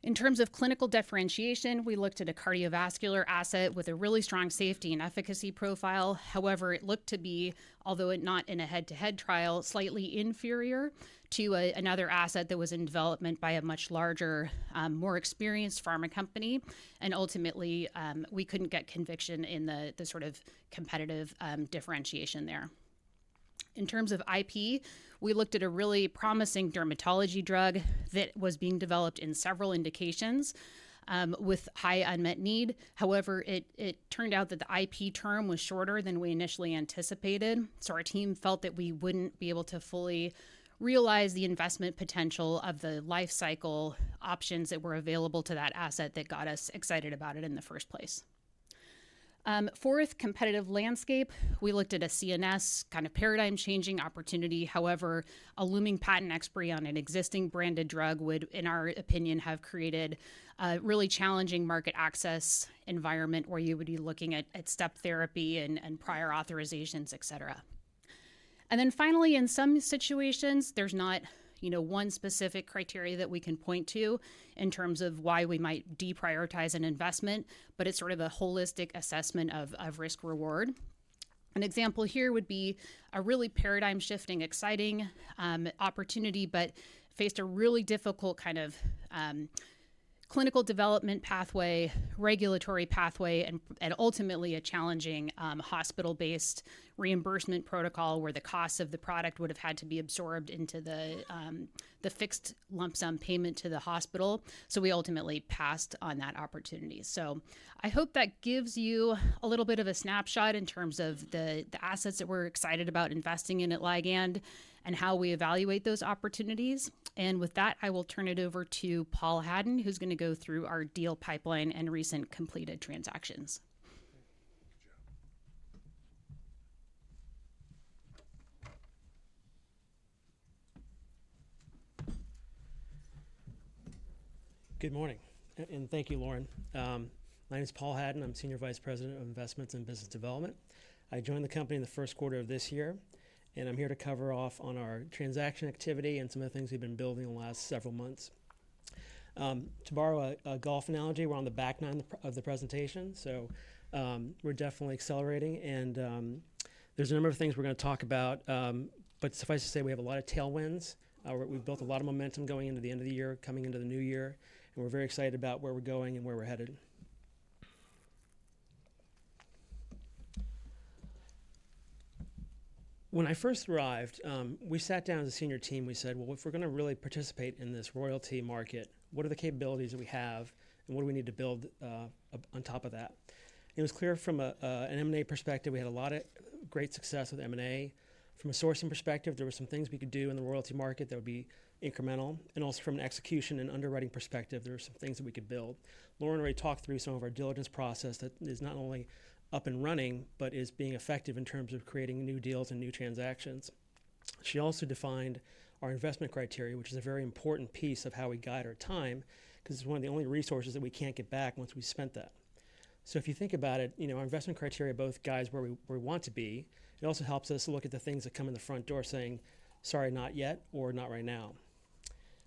In terms of clinical differentiation, we looked at a cardiovascular asset with a really strong safety and efficacy profile. However, it looked to be, although it not in a head-to-head trial, slightly inferior to a, another asset that was in development by a much larger, more experienced pharma company, and ultimately, we couldn't get conviction in the, the sort of competitive, differentiation there. In terms of IP, we looked at a really promising dermatology drug that was being developed in several indications, with high unmet need. However, it, it turned out that the IP term was shorter than we initially anticipated, so our team felt that we wouldn't be able to fully realize the investment potential of the life cycle options that were available to that asset that got us excited about it in the first place. Fourth, competitive landscape. We looked at a CNS kind of paradigm-changing opportunity. However, a looming patent expiry on an existing branded drug would, in our opinion, have created a really challenging market access environment where you would be looking at step therapy and prior authorizations, et cetera. And then finally, in some situations, there's not, you know, one specific criteria that we can point to in terms of why we might deprioritize an investment, but it's sort of a holistic assessment of risk-reward. An example here would be a really paradigm-shifting, exciting opportunity, but faced a really difficult kind of clinical development pathway, regulatory pathway, and ultimately a challenging hospital-based reimbursement protocol, where the cost of the product would have had to be absorbed into the fixed lump sum payment to the hospital. So we ultimately passed on that opportunity. I hope that gives you a little bit of a snapshot in terms of the assets that we're excited about investing in at Ligand and how we evaluate those opportunities. With that, I will turn it over to Paul Hadden, who's gonna go through our deal pipeline and recent completed transactions. Good morning, and thank you, Lauren. My name is Paul Hadden. I'm Senior Vice President of Investments and Business Development. I joined the company in the first quarter of this year, and I'm here to cover off on our transaction activity and some of the things we've been building in the last several months. To borrow a golf analogy, we're on the back nine of the presentation, so we're definitely accelerating and there's a number of things we're gonna talk about, but suffice to say, we have a lot of tailwinds. We've built a lot of momentum going into the end of the year, coming into the new year, and we're very excited about where we're going and where we're headed. When I first arrived, we sat down as a senior team, we said, "Well, if we're gonna really participate in this royalty market, what are the capabilities that we have, and what do we need to build on top of that?" It was clear from an M&A perspective, we had a lot of great success with M&A. From a sourcing perspective, there were some things we could do in the royalty market that would be incremental, and also from an execution and underwriting perspective, there were some things that we could build. Lauren already talked through some of our diligence process that is not only up and running, but is being effective in terms of creating new deals and new transactions. She also defined our investment criteria, which is a very important piece of how we guide our time, 'cause it's one of the only resources that we can't get back once we've spent that. So if you think about it, you know, our investment criteria both guides where we, where we want to be. It also helps us to look at the things that come in the front door, saying, "Sorry, not yet," or, "Not right now."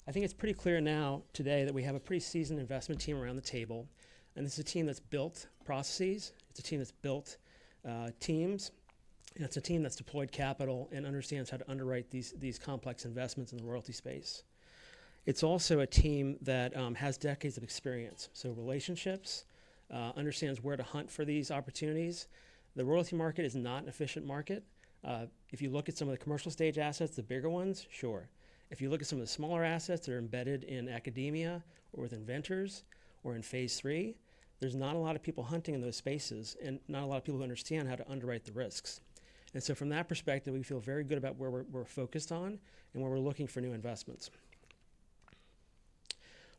I think it's pretty clear now today that we have a pretty seasoned investment team around the table, and this is a team that's built processes, it's a team that's built, teams, and it's a team that's deployed capital and understands how to underwrite these, these complex investments in the royalty space. It's also a team that has decades of experience, so relationships, understands where to hunt for these opportunities. The royalty market is not an efficient market. If you look at some of the commercial stage assets, the bigger ones, sure. If you look at some of the smaller assets that are embedded in academia or with inventors or in phase III, there's not a lot of people hunting in those spaces, and not a lot of people who understand how to underwrite the risks. And so from that perspective, we feel very good about where we're, we're focused on and where we're looking for new investments.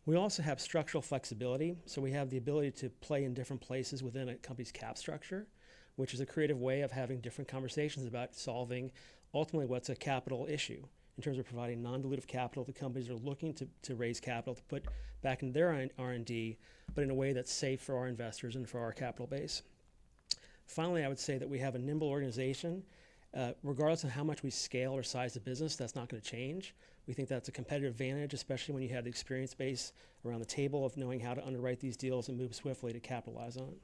We also have structural flexibility, so we have the ability to play in different places within a company's cap structure, which is a creative way of having different conversations about solving ultimately what's a capital issue, in terms of providing non-dilutive capital to companies that are looking to raise capital to put back in their own R&D, but in a way that's safe for our investors and for our capital base. Finally, I would say that we have a nimble organization. Regardless of how much we scale or size the business, that's not gonna change. We think that's a competitive advantage, especially when you have the experience base around the table of knowing how to underwrite these deals and move swiftly to capitalize on it.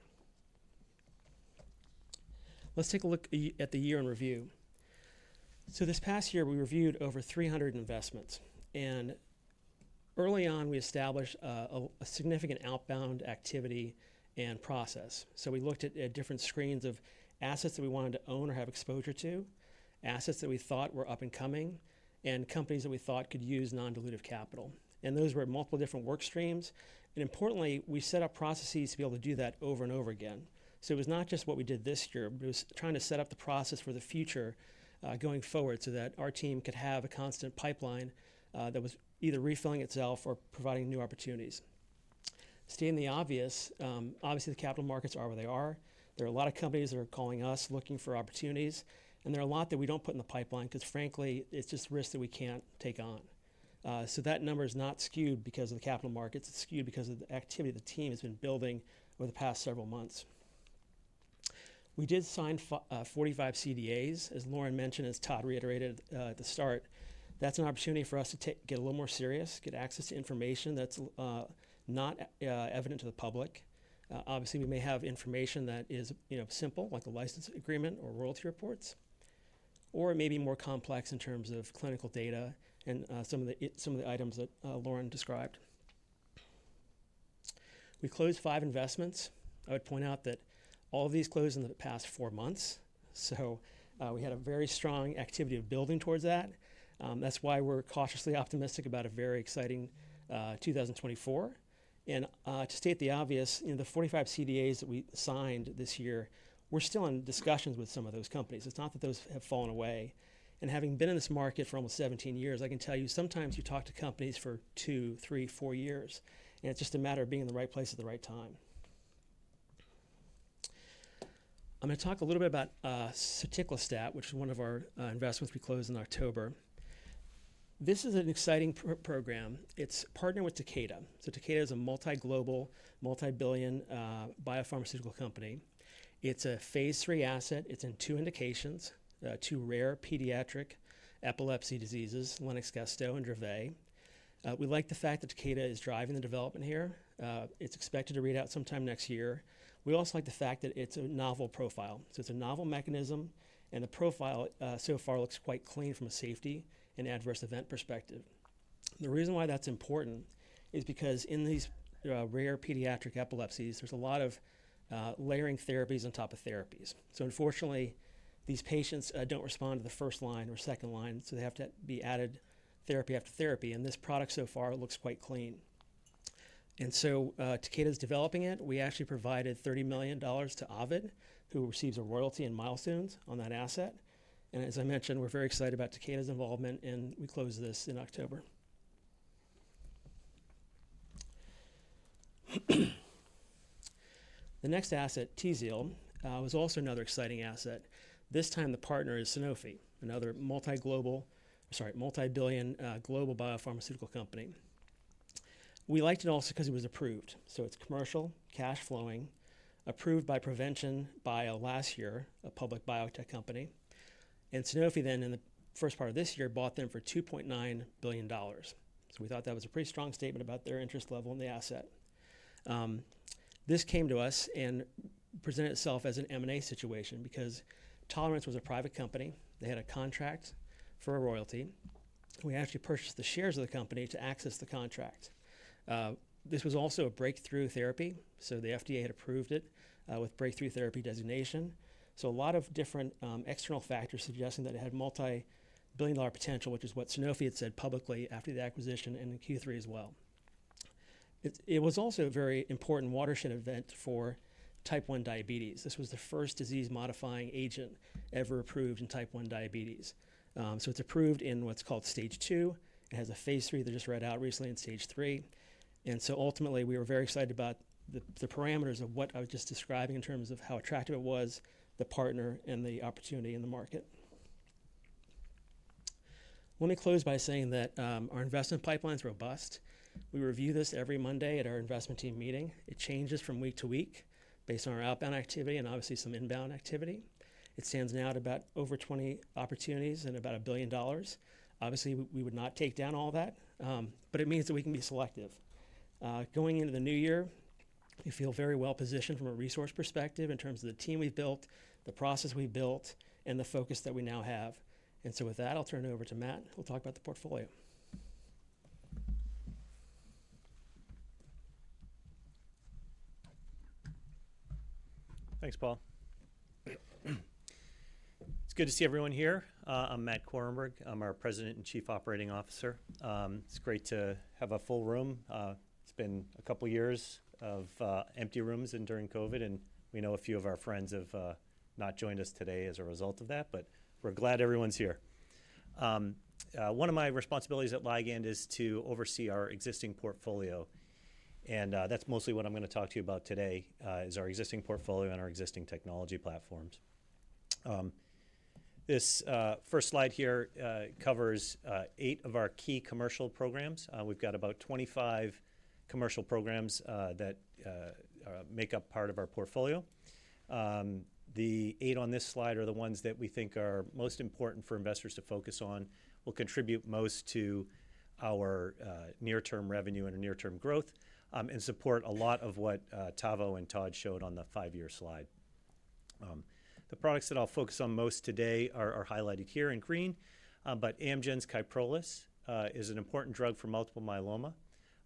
Let's take a look at the year in review. So this past year, we reviewed over 300 investments, and early on, we established a significant outbound activity and process. So we looked at different screens of assets that we wanted to own or have exposure to, assets that we thought were up and coming, and companies that we thought could use non-dilutive capital, and those were multiple different work streams. And importantly, we set up processes to be able to do that over and over again. So it was not just what we did this year, but it was trying to set up the process for the future, going forward, so that our team could have a constant pipeline that was either refilling itself or providing new opportunities. Staying in the obvious, obviously, the capital markets are where they are. There are a lot of companies that are calling us, looking for opportunities, and there are a lot that we don't put in the pipeline because, frankly, it's just risk that we can't take on. So that number is not skewed because of the capital markets, it's skewed because of the activity the team has been building over the past several months. We did sign 45 CDAs, as Lauren mentioned, as Todd reiterated, at the start. That's an opportunity for us to get a little more serious, get access to information that's not evident to the public. Obviously, we may have information that is, you know, simple, like a license agreement or royalty reports, or it may be more complex in terms of clinical data and some of the items that Lauren described. We closed five investments. I would point out that all of these closed in the past four months, so we had a very strong activity of building towards that. That's why we're cautiously optimistic about a very exciting 2024. And to state the obvious, you know, the 45 CDAs that we signed this year, we're still in discussions with some of those companies. It's not that those have fallen away. And having been in this market for almost 17 years, I can tell you, sometimes you talk to companies for two, three, four years, and it's just a matter of being in the right place at the right time. I'm gonna talk a little bit about soticlestat, which is one of our investments we closed in October. This is an exciting program. It's partnered with Takeda. So Takeda is a multi-global, multi-billion biopharmaceutical company. It's a phase III asset. It's in two indications, two rare pediatric epilepsy diseases, Lennox-Gastaut and Dravet. We like the fact that Takeda is driving the development here. It's expected to read out sometime next year. We also like the fact that it's a novel profile, so it's a novel mechanism, and the profile so far looks quite clean from a safety and adverse event perspective. The reason why that's important is because in these rare pediatric epilepsies, there's a lot of layering therapies on top of therapies. So unfortunately, these patients don't respond to the first line or second line, so they have to be added therapy after therapy, and this product so far looks quite clean. And so, Takeda's developing it. We actually provided $30 million to Ovid, who receives a royalty and milestones on that asset. As I mentioned, we're very excited about Takeda's involvement, and we closed this in October. The next asset, Tzield, was also another exciting asset. This time, the partner is Sanofi, another multi-global... Sorry, multi-billion, global biopharmaceutical company. We liked it also because it was approved, so it's commercial, cash flowing, approved by Provention Bio last year, a public biotech company, and Sanofi then, in the first part of this year, bought them for $2.9 billion. We thought that was a pretty strong statement about their interest level in the asset. This came to us and presented itself as an M&A situation because Tolerance was a private company. They had a contract for a royalty. We actually purchased the shares of the company to access the contract. This was also a breakthrough therapy, so the FDA had approved it with breakthrough therapy designation. So a lot of different external factors suggesting that it had multi-billion-dollar potential, which is what Sanofi had said publicly after the acquisition and in Q3 as well. It was also a very important watershed event for type 1 diabetes. This was the first disease-modifying agent ever approved in type 1 diabetes. So it's approved in what's called Stage 2. It has a phase III they just read out recently in Stage 3, and so ultimately, we were very excited about the parameters of what I was just describing in terms of how attractive it was, the partner, and the opportunity in the market. Let me close by saying that our investment pipeline is robust. We review this every Monday at our investment team meeting. It changes from week to week based on our outbound activity and obviously some inbound activity. It stands now at about over 20 opportunities and about $1 billion. Obviously, we, we would not take down all that, but it means that we can be selective. Going into the new year, we feel very well-positioned from a resource perspective in terms of the team we've built, the process we've built, and the focus that we now have. And so with that, I'll turn it over to Matt, who'll talk about the portfolio. Thanks, Paul. It's good to see everyone here. I'm Matt Korenberg. I'm our President and Chief Operating Officer. It's great to have a full room. It's been a couple years of empty rooms and during COVID, and we know a few of our friends have not joined us today as a result of that, but we're glad everyone's here. One of my responsibilities at Ligand is to oversee our existing portfolio, and that's mostly what I'm going to talk to you about today, is our existing portfolio and our existing technology platforms. This first slide here covers eight of our key commercial programs. We've got about 25 commercial programs that make up part of our portfolio. The eight on this slide are the ones that we think are most important for investors to focus on, will contribute most to our near-term revenue and near-term growth, and support a lot of what Tavo and Todd showed on the five-year slide. The products that I'll focus on most today are highlighted here in green, but Amgen's Kyprolis is an important drug for multiple myeloma.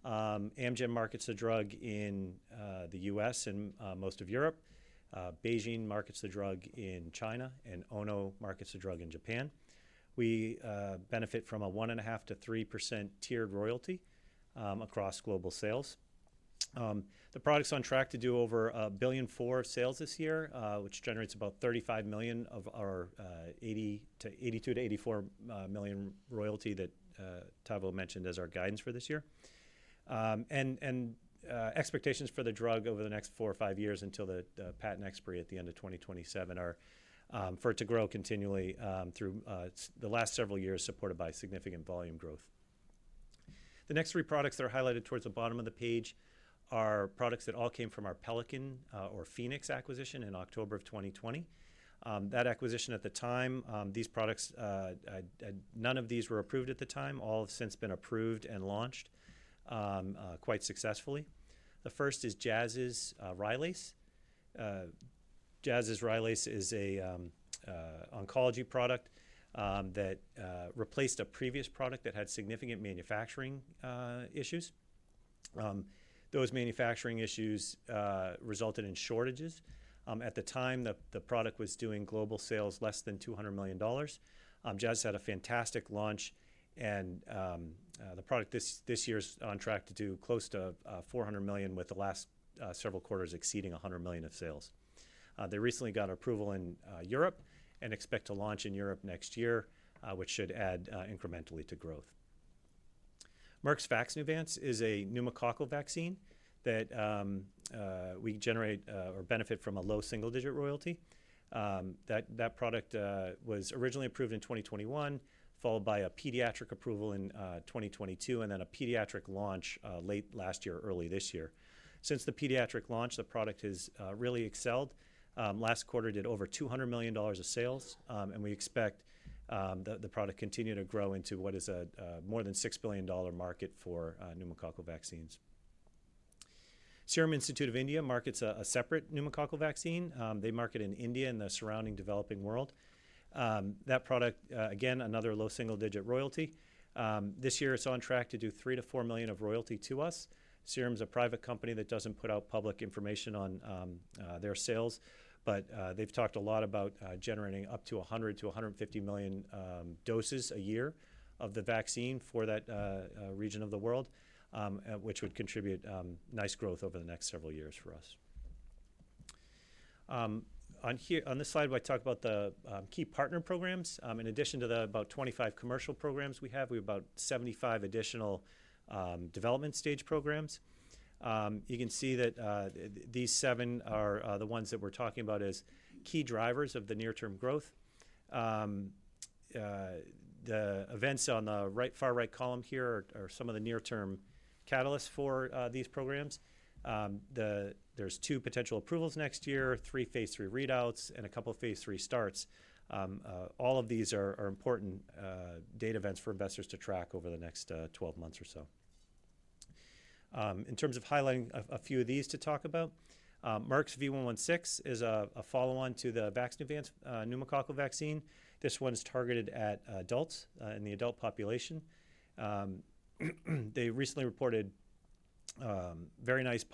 Amgen markets the drug in the U.S. and most of Europe. BeiGene markets the drug in China, and Ono markets the drug in Japan. We benefit from a 1.5%-3% tiered royalty across global sales. The product's on track to do over $1.4 billion sales this year, which generates about $35 million of our $82 million-$84 million royalty that Tavo mentioned as our guidance for this year. And expectations for the drug over the next four or five years until the patent expiry at the end of 2027 are for it to grow continually through the last several years, supported by significant volume growth. The next three products that are highlighted towards the bottom of the page are products that all came from our Pelican or Pfenex acquisition in October of 2020. That acquisition at the time, these products none of these were approved at the time. All have since been approved and launched quite successfully. The first is Jazz's Rylaze. Jazz's Rylaze is an oncology product that replaced a previous product that had significant manufacturing issues. Those manufacturing issues resulted in shortages. At the time, the product was doing global sales less than $200 million. Jazz had a fantastic launch, and the product this year is on track to do close to $400 million, with the last several quarters exceeding $100 million of sales. They recently got approval in Europe and expect to launch in Europe next year, which should add incrementally to growth. Merck's Vaxneuvance is a pneumococcal vaccine that we generate or benefit from a low double-digit royalty. That product was originally approved in 2021, followed by a pediatric approval in 2022, and then a pediatric launch late last year or early this year. Since the pediatric launch, the product has really excelled. Last quarter, did over $200 million of sales, and we expect the product to continue to grow into what is a more than $6 billion market for pneumococcal vaccines. Serum Institute of India markets a separate pneumococcal vaccine. They market in India and the surrounding developing world. That product, again, another low double-digit royalty. This year, it's on track to do $3 million-$4 million of royalty to us. Serum's a private company that doesn't put out public information on their sales, but they've talked a lot about generating up to 100-150 million doses a year of the vaccine for that region of the world, which would contribute nice growth over the next several years for us. On here, on this slide, I talk about the key partner programs. In addition to the about 25 commercial programs we have, we have about 75 additional development stage programs. You can see that these seven are the ones that we're talking about as key drivers of the near-term growth. The events on the right, far right column here are some of the near-term catalysts for these programs. There's two potential approvals next year, three phase III readouts, and a couple of phase III starts. All of these are important date events for investors to track over the next 12 months or so. In terms of highlighting a few of these to talk about, Merck's V116 is a follow-on to the Vaxneuvance pneumococcal vaccine. This one is targeted at adults in the adult population. They recently reported very nice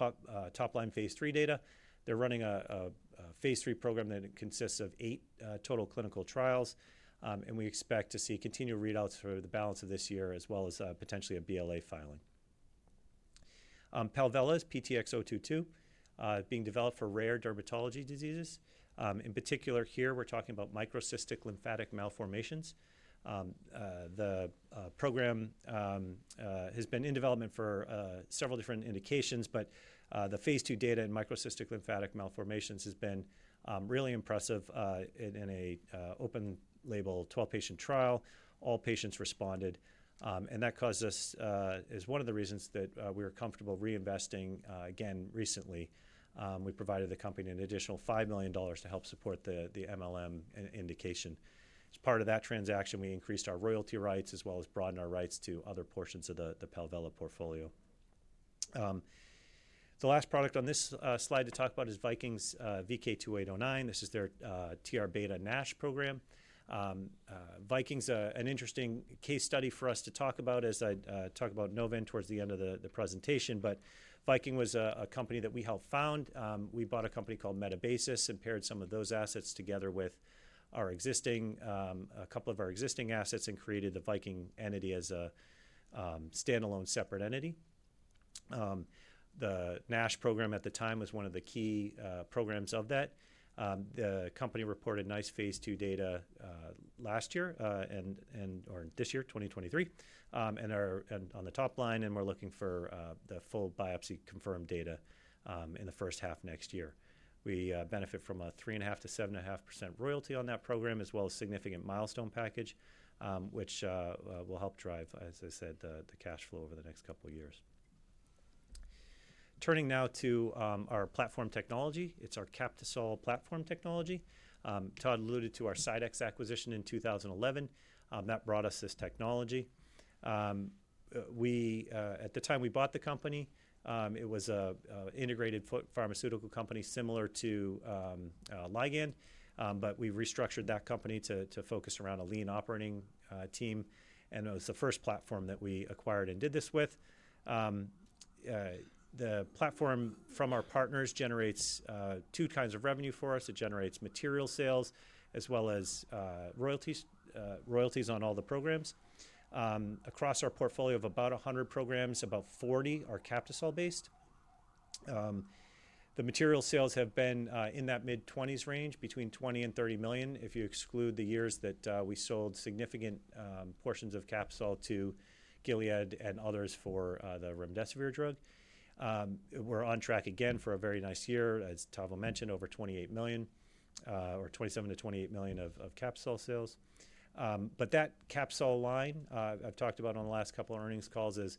top-line phase III data. They're running a phase III program that consists of eight total clinical trials, and we expect to see continued readouts for the balance of this year, as well as potentially a BLA filing. Palvella's PTX-022 being developed for rare dermatology diseases. In particular, here, we're talking about microcystic lymphatic malformations. The program has been in development for several different indications, but the phase II data in microcystic lymphatic malformations has been really impressive in an open-label 12-patient trial. All patients responded, and that is one of the reasons that we are comfortable reinvesting again recently. We provided the company an additional $5 million to help support the MLM indication. As part of that transaction, we increased our royalty rights, as well as broadened our rights to other portions of the Palvella portfolio. The last product on this slide to talk about is Viking's VK2809. This is their TR beta NASH program. Viking's an interesting case study for us to talk about as I talk about Novan towards the end of the presentation. But Viking was a company that we helped found. We bought a company called Metabasis and paired some of those assets together with our existing a couple of our existing assets and created the Viking entity as a standalone, separate entity. The NASH program at the time was one of the key programs of that. The company reported nice phase II data last year and/or this year, 2023, and are and on the top line, and we're looking for the full biopsy confirmed data in the first half of next year. We benefit from a 3.5%-7.5% royalty on that program, as well as significant milestone package, which will help drive, as I said, the cash flow over the next couple of years. Turning now to our platform technology. It's our Captisol platform technology. Todd alluded to our CyDex acquisition in 2011. That brought us this technology. At the time we bought the company, it was an integrated pharmaceutical company, similar to Ligand, but we restructured that company to focus around a lean operating team, and it was the first platform that we acquired and did this with. The platform from our partners generates two kinds of revenue for us. It generates material sales, as well as, royalties, royalties on all the programs. Across our portfolio of about 100 programs, about 40 are Captisol-based. The material sales have been, in that mid-20s range, between $20 million-$30 million, if you exclude the years that, we sold significant, portions of Captisol to Gilead and others for, the remdesivir drug. We're on track again for a very nice year, as Tavo mentioned, over $28 million, or $27 million-$28 million of, of Captisol sales. But that Captisol line, I've talked about on the last couple of earnings calls, is,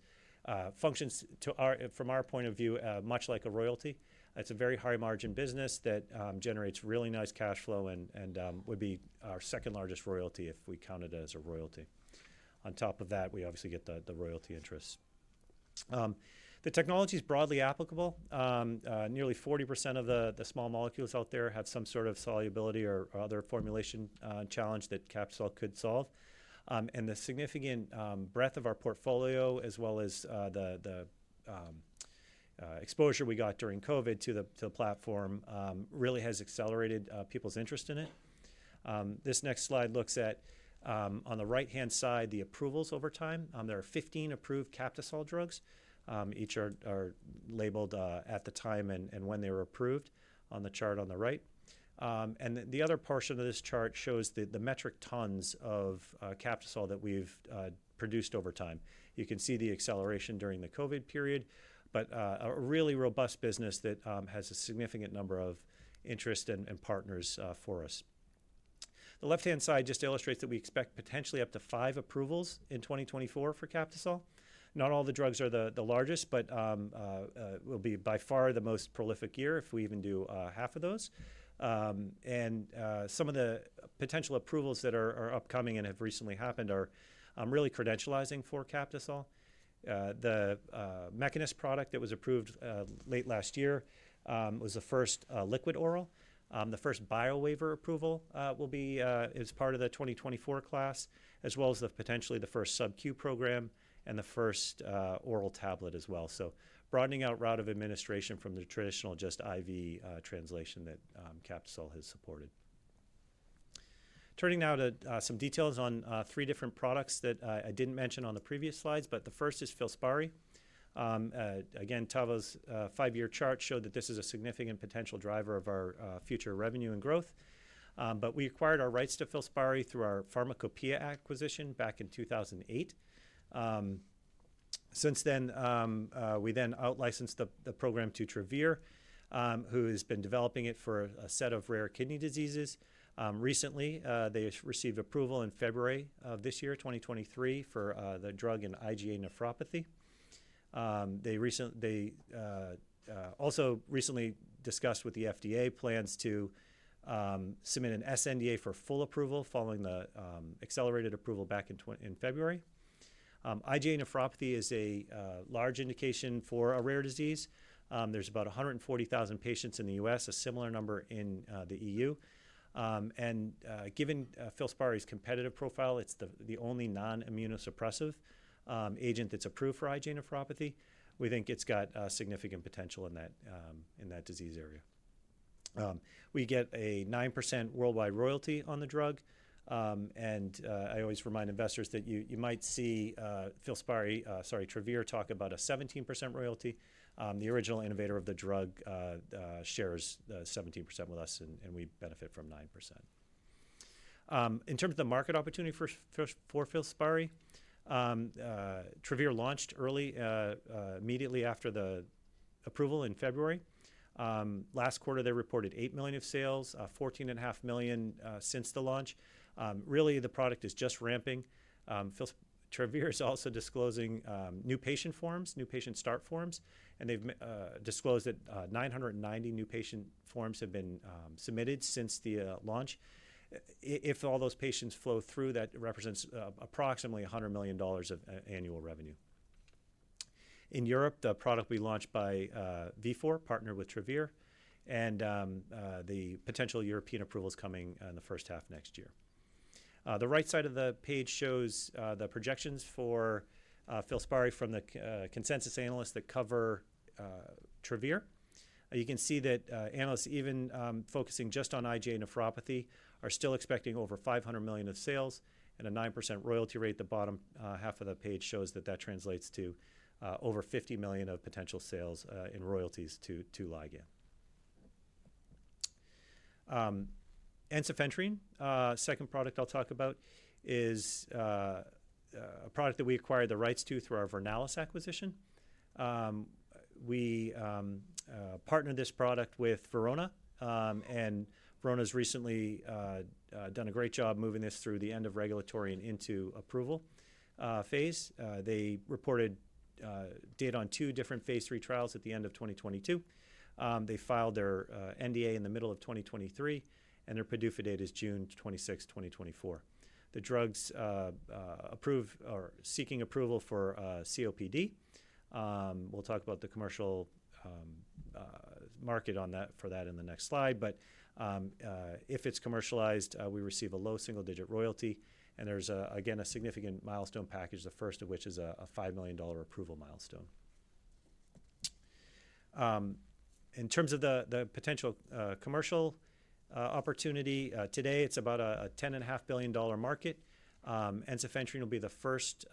functions to our—from our point of view, much like a royalty. It's a very high-margin business that generates really nice cash flow and would be our second-largest royalty if we count it as a royalty. On top of that, we obviously get the royalty interest. The technology is broadly applicable. Nearly 40% of the small molecules out there have some sort of solubility or other formulation challenge that Captisol could solve. And the significant breadth of our portfolio, as well as the exposure we got during COVID to the platform, really has accelerated people's interest in it. This next slide looks at, on the right-hand side, the approvals over time. There are 15 approved Captisol drugs. Each are labeled at the time and when they were approved on the chart on the right. And the other portion of this chart shows the metric tons of Captisol that we've produced over time. You can see the acceleration during the COVID period, but a really robust business that has a significant number of interest and partners for us. The left-hand side just illustrates that we expect potentially up to five approvals in 2024 for Captisol. Not all the drugs are the largest, but will be by far the most prolific year if we even do half of those. And some of the potential approvals that are upcoming and have recently happened are really credentializing for Captisol. The Mekinist product that was approved late last year was the first liquid oral. The first biowaiver approval will be as part of the 2024 class, as well as potentially the first sub-Q program and the first oral tablet as well. So broadening out route of administration from the traditional just IV translation that Captisol has supported. Turning now to some details on three different products that I didn't mention on the previous slides, but the first is Filspari. Again, Tavo's 5-year chart showed that this is a significant potential driver of our future revenue and growth. But we acquired our rights to Filspari through our Pharmacopeia acquisition back in 2008. Since then, we then out licensed the program to Travere, who has been developing it for a set of rare kidney diseases. Recently, they received approval in February of this year, 2023, for the drug in IgA nephropathy. They also recently discussed with the FDA plans to submit an sNDA for full approval following the accelerated approval back in February. IgA nephropathy is a large indication for a rare disease. There's about 140,000 patients in the U.S., a similar number in the EU. And given Filspari's competitive profile, it's the only non-immunosuppressive agent that's approved for IgA nephropathy. We think it's got significant potential in that disease area. We get a 9% worldwide royalty on the drug, and I always remind investors that you might see Filspari, sorry, Travere, talk about a 17% royalty. The original innovator of the drug shares the 17% with us, and we benefit from 9%. In terms of the market opportunity for Filspari, Travere launched early, immediately after the approval in February. Last quarter, they reported $8 million of sales, $14.5 million since the launch. Really, the product is just ramping. Filspari, Travere is also disclosing new patient forms, new patient start forms, and they've disclosed that 990 new patient forms have been submitted since the launch. If all those patients flow through, that represents approximately $100 million of annual revenue. In Europe, the product will be launched by Vifor, partnered with Travere, and the potential European approval is coming in the first half of next year. The right side of the page shows the projections for Filspari from the consensus analysts that cover Travere. You can see that analysts, even focusing just on IgA nephropathy, are still expecting over $500 million of sales and a 9% royalty rate. The bottom half of the page shows that that translates to over $50 million of potential sales in royalties to Ligand. Ensifentrine, second product I'll talk about, is a product that we acquired the rights to through our Vernalis acquisition. We partnered this product with Verona, and Verona's recently done a great job moving this through the end of regulatory and into approval phase. They reported data on two different phase III trials at the end of 2022. They filed their NDA in the middle of 2023, and their PDUFA date is June 26, 2024. The drug's approved or seeking approval for COPD. We'll talk about the commercial market for that in the next slide, but, if it's commercialized, we receive a low single-digit royalty, and there's a, again, a significant milestone package, the first of which is a $5 million approval milestone. In terms of the potential commercial opportunity today, it's about a $10.5 billion market. Ensifentrine will be the first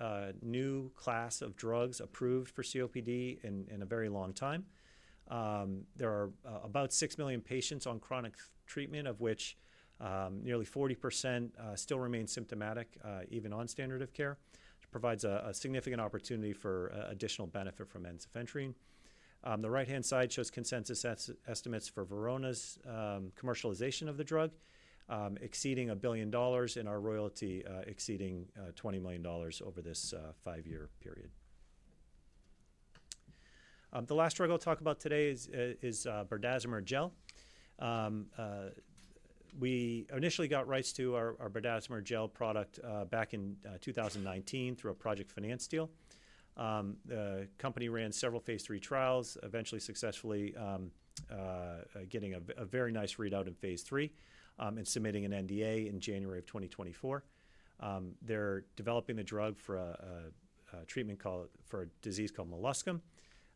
new class of drugs approved for COPD in a very long time. There are about 6 million patients on chronic treatment, of which nearly 40% still remain symptomatic even on standard of care, which provides a significant opportunity for additional benefit from ensifentrine. The right-hand side shows consensus estimates for Verona's commercialization of the drug, exceeding $1 billion, and our royalty exceeding $20 million over this 5-year period. The last drug I'll talk about today is berdazimer gel. We initially got rights to our berdazimer gel product back in 2019 through a project finance deal. The company ran several phase III trials, eventually successfully getting a very nice readout in phase III, and submitting an NDA in January of 2024. They're developing the drug for a treatment called... for a disease called molluscum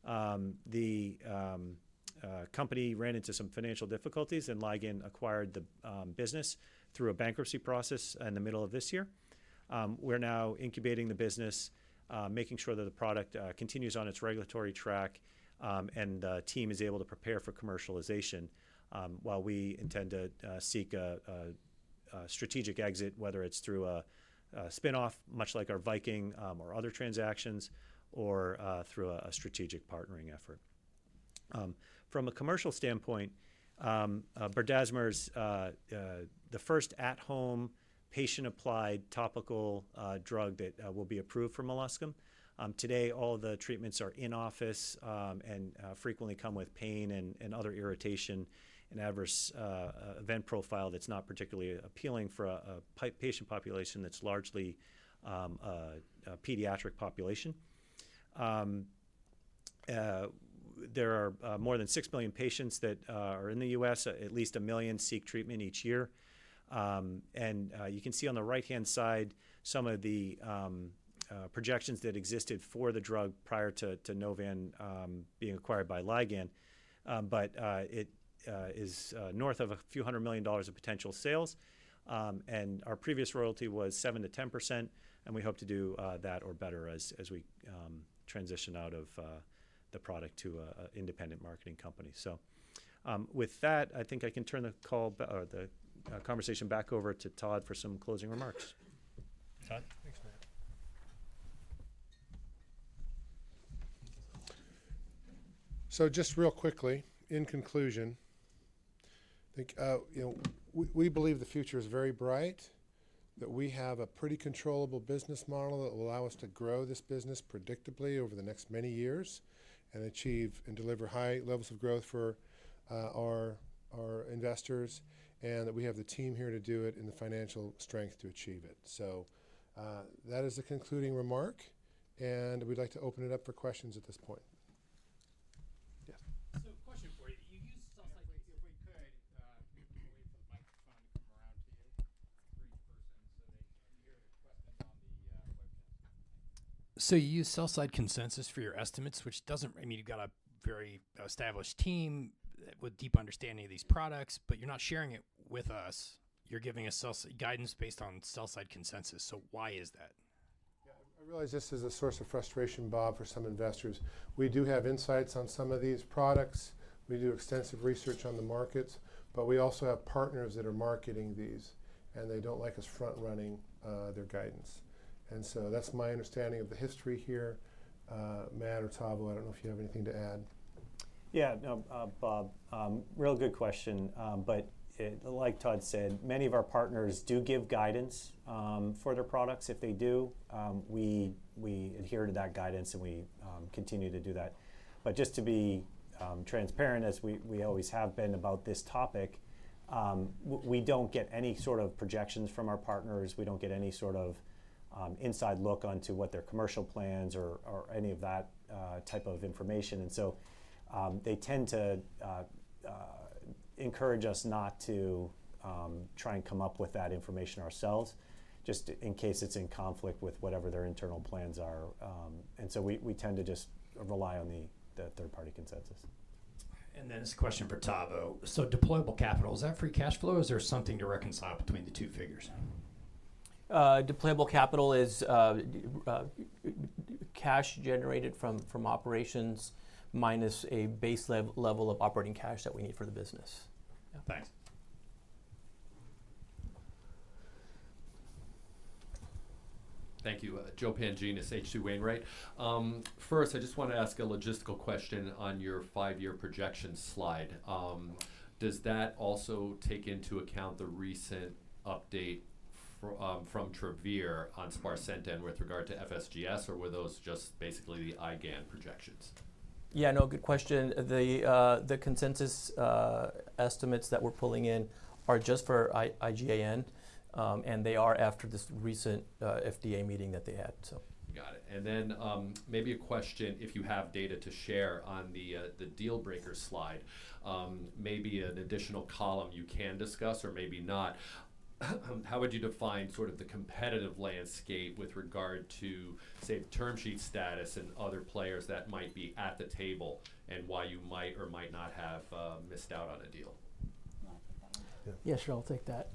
contagiosum. The company ran into some financial difficulties, and Ligand acquired the business through a bankruptcy process in the middle of this year. We're now incubating the business, making sure that the product continues on its regulatory track, and the team is able to prepare for commercialization, while we intend to seek a strategic exit, whether it's through a spin-off, much like our Viking, or other transactions, or through a strategic partnering effort. From a commercial standpoint, berdazimer is the first at-home, patient-applied topical drug that will be approved for molluscum. Today, all the treatments are in-office, and frequently come with pain and other irritation and adverse event profile that's not particularly appealing for a patient population that's largely a pediatric population. There are more than 6 million patients that are in the US. At least 1 million seek treatment each year. And you can see on the right-hand side some of the projections that existed for the drug prior to Novan being acquired by Ligand. But it is north of a few hundred million dollars of potential sales. Our previous royalty was 7%-10%, and we hope to do that or better as we transition out of the product to an independent marketing company. So, with that, I think I can turn the call or the conversation back over to Todd for some closing remarks. Todd? Thanks, Matt. So just real quickly, in conclusion, I think, you know, we, we believe the future is very bright, that we have a pretty controllable business model that will allow us to grow this business predictably over the next many years, and achieve and deliver high levels of growth for, our, our investors, and that we have the team here to do it and the financial strength to achieve it. So, that is the concluding remark, and we'd like to open it up for questions at this point. Yeah. So, question for you. You use sell-side-- If we could wait for the microphone to come around to you for each person, so they can hear the questions on the webcast. So you use sell-side consensus for your estimates, which doesn't... I mean, you've got a very established team with deep understanding of these products, but you're not sharing it with us. You're giving us sell-side guidance based on sell-side consensus, so why is that? Yeah, I realize this is a source of frustration, Bob, for some investors. We do have insights on some of these products. We do extensive research on the markets, but we also have partners that are marketing these, and they don't like us front running their guidance. And so that's my understanding of the history here. Matt or Tavo, I don't know if you have anything to add. Yeah. No, Bob, real good question. But like Todd said, many of our partners do give guidance for their products. If they do, we adhere to that guidance, and we continue to do that. But just to be transparent, as we always have been about this topic, we don't get any sort of projections from our partners. We don't get any sort of inside look onto what their commercial plans or any of that type of information. And so they tend to encourage us not to try and come up with that information ourselves, just in case it's in conflict with whatever their internal plans are. And so we tend to just rely on the third-party consensus. This question for Tavo. Deployable capital, is that free cash flow, or is there something to reconcile between the two figures? Deployable capital is cash generated from operations, minus a base level of operating cash that we need for the business. Yeah, thanks. Thank you. Joe Pantginis, H.C. Wainwright. First, I just want to ask a logistical question on your five-year projection slide. Does that also take into account the recent update from Travere on sparsentan with regard to FSGS, or were those just basically the IgAN projections? Yeah, no, good question. The consensus estimates that we're pulling in are just for IgAN, and they are after this recent FDA meeting that they had, so. Got it. And then, maybe a question, if you have data to share on the deal breaker slide. Maybe an additional column you can discuss or maybe not. How would you define sort of the competitive landscape with regard to, say, term sheet status and other players that might be at the table, and why you might or might not have missed out on a deal? You want to take that one? Yeah. Yeah. Yeah, sure. I'll take that.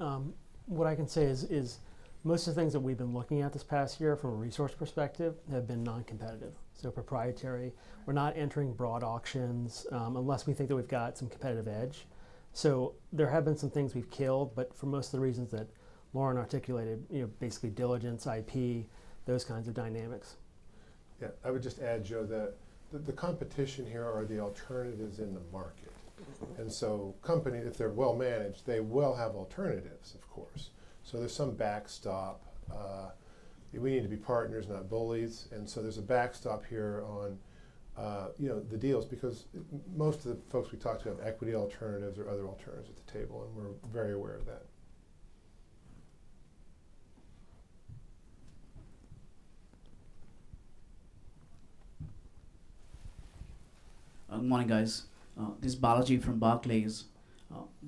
What I can say is most of the things that we've been looking at this past year from a resource perspective have been non-competitive, so proprietary. We're not entering broad auctions, unless we think that we've got some competitive edge. So there have been some things we've killed, but for most of the reasons that Lauren articulated, you know, basically diligence, IP, those kinds of dynamics. Yeah. I would just add, Joe, that the, the competition here are the alternatives in the market. And so companies, if they're well managed, they will have alternatives, of course. So there's some backstop. We need to be partners, not bullies, and so there's a backstop here on, you know, the deals, because most of the folks we talk to have equity alternatives or other alternatives at the table, and we're very aware of that. Good morning, guys. This is Balaji from Barclays.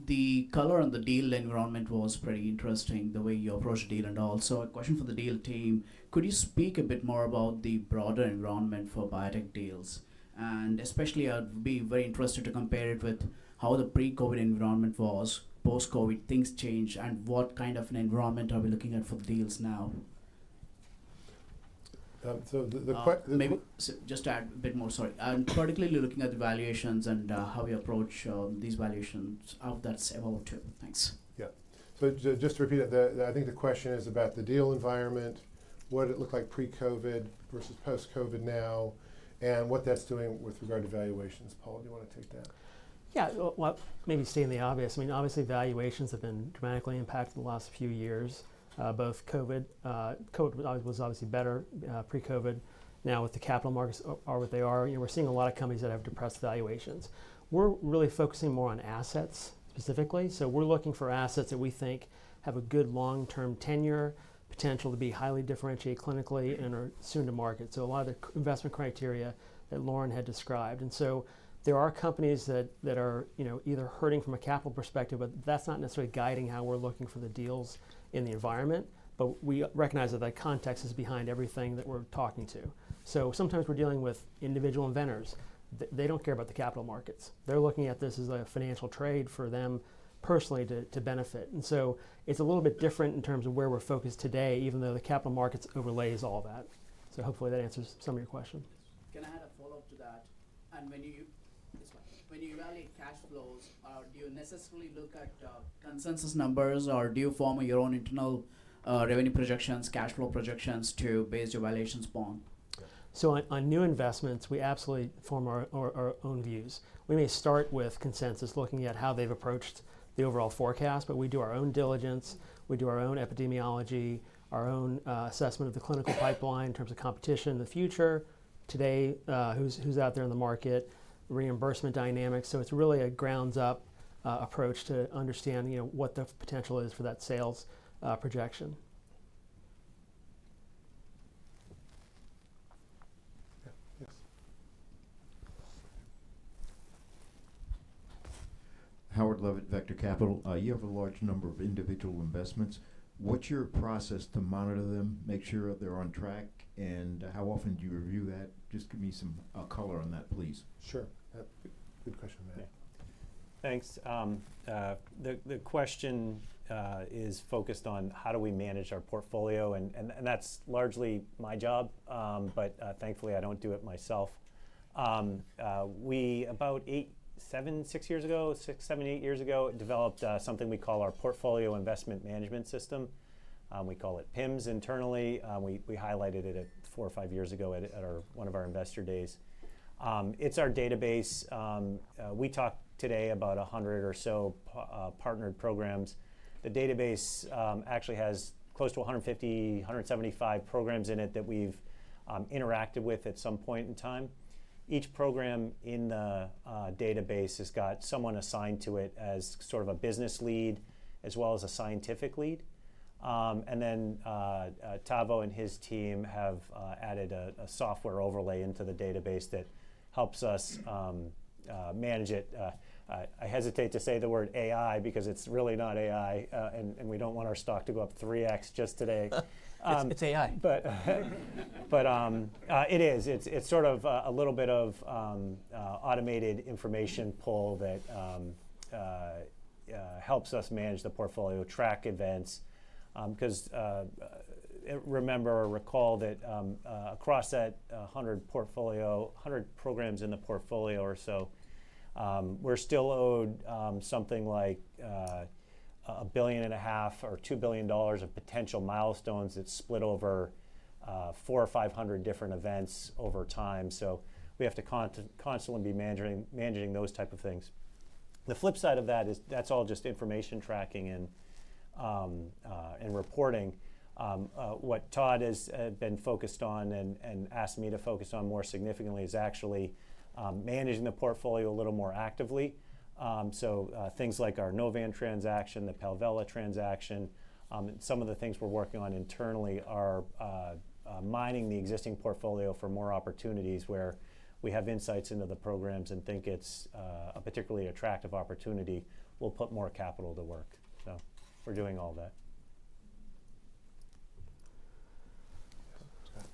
The color on the deal environment was pretty interesting, the way you approached the deal and all. So a question for the deal team: Could you speak a bit more about the broader environment for biotech deals? And especially, I'd be very interested to compare it with how the pre-COVID environment was, post-COVID, things changed, and what kind of an environment are we looking at for the deals now? So the So just to add a bit more, sorry. Particularly looking at the valuations and how we approach these valuations, how that's evolved too. Thanks. Yeah. So just to repeat it, I think the question is about the deal environment, what it looked like pre-COVID versus post-COVID now, and what that's doing with regard to valuations. Paul, do you want to take that? Yeah, well, well, maybe stating the obvious. I mean, obviously, valuations have been dramatically impacted in the last few years, both COVID—COVID was obviously better pre-COVID. Now, with the capital markets are what they are, you know, we're seeing a lot of companies that have depressed valuations. We're really focusing more on assets, specifically. So we're looking for assets that we think have a good long-term tenure, potential to be highly differentiated clinically, and are soon to market. So a lot of the investment criteria that Lauren had described. And so there are companies that are, you know, either hurting from a capital perspective, but that's not necessarily guiding how we're looking for the deals in the environment. But we recognize that that context is behind everything that we're talking to. So sometimes we're dealing with individual inventors. They don't care about the capital markets. They're looking at this as a financial trade for them personally to, to benefit. And so it's a little bit different in terms of where we're focused today, even though the capital markets overlays all that. So hopefully that answers some of your question. Can I add a follow-up to that? When you evaluate cash flows, do you necessarily look at consensus numbers, or do you form your own internal revenue projections, cash flow projections, to base your valuations upon? So on new investments, we absolutely form our own views. We may start with consensus, looking at how they've approached the overall forecast, but we do our own diligence, we do our own epidemiology, our own assessment of the clinical pipeline in terms of competition in the future. Today, who's out there in the market, reimbursement dynamics. So it's really a ground-up approach to understanding, you know, what the potential is for that sales projection. Yeah. Yes. Howard Leavitt, Vector Capital. You have a large number of individual investments. What's your process to monitor them, make sure that they're on track, and how often do you review that? Just give me some color on that, please. Sure. Good, good question, Howard. Yeah. Thanks. The question is focused on how do we manage our portfolio, and that's largely my job, but thankfully, I don't do it myself. We, about eight, seven, six years ago, six, seven, eight years ago, developed something we call our portfolio investment management system. We call it PIMS internally. We highlighted it four or five years ago at one of our investor days. It's our database. We talked today about 100 or so partnered programs. The database actually has close to 150, 175 programs in it that we've interacted with at some point in time. Each program in the database has got someone assigned to it as sort of a business lead as well as a scientific lead. And then, Tavo and his team have added a software overlay into the database that helps us manage it. I hesitate to say the word AI, because it's really not AI, and we don't want our stock to go up 3x just today. It's AI. But, it is. It's sort of a little bit of automated information pull that helps us manage the portfolio, track events. 'Cause remember or recall that across that 100 portfolio, 100 programs in the portfolio or so, we're still owed something like $1.5 billion or $2 billion of potential milestones that's split over 400 or 500 different events over time. So we have to constantly be managing those type of things. The flip side of that is that's all just information tracking and reporting. What Todd has been focused on and asked me to focus on more significantly is actually managing the portfolio a little more actively. So, things like our Novan transaction, the Palvella transaction, some of the things we're working on internally are mining the existing portfolio for more opportunities, where we have insights into the programs and think it's a particularly attractive opportunity, we'll put more capital to work. So we're doing all that. Scott.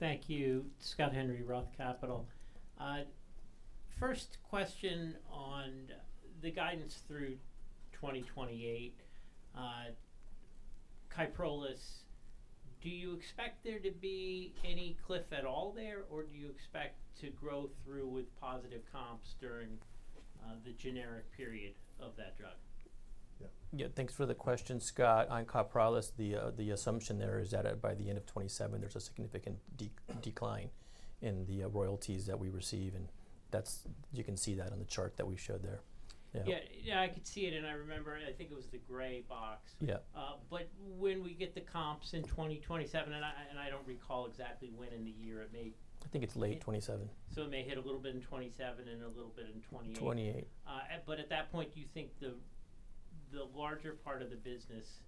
Thank you. Scott Henry, Roth Capital. First question on the guidance through 2028. Kyprolis, do you expect there to be any cliff at all there, or do you expect to grow through with positive comps during the generic period of that drug? Yeah. Yeah, thanks for the question, Scott. On Kyprolis, the assumption there is that by the end of 2027, there's a significant decline in the royalties that we receive, and that's—you can see that on the chart that we showed there. Yeah. Yeah. Yeah, I could see it, and I remember. I think it was the gray box. Yeah. But when we get the comps in 2027, and I don't recall exactly when in the year it may- I think it's late 2027. It may hit a little bit in 2027 and a little bit in 2028? 2028. But at that point, do you think the larger part of the business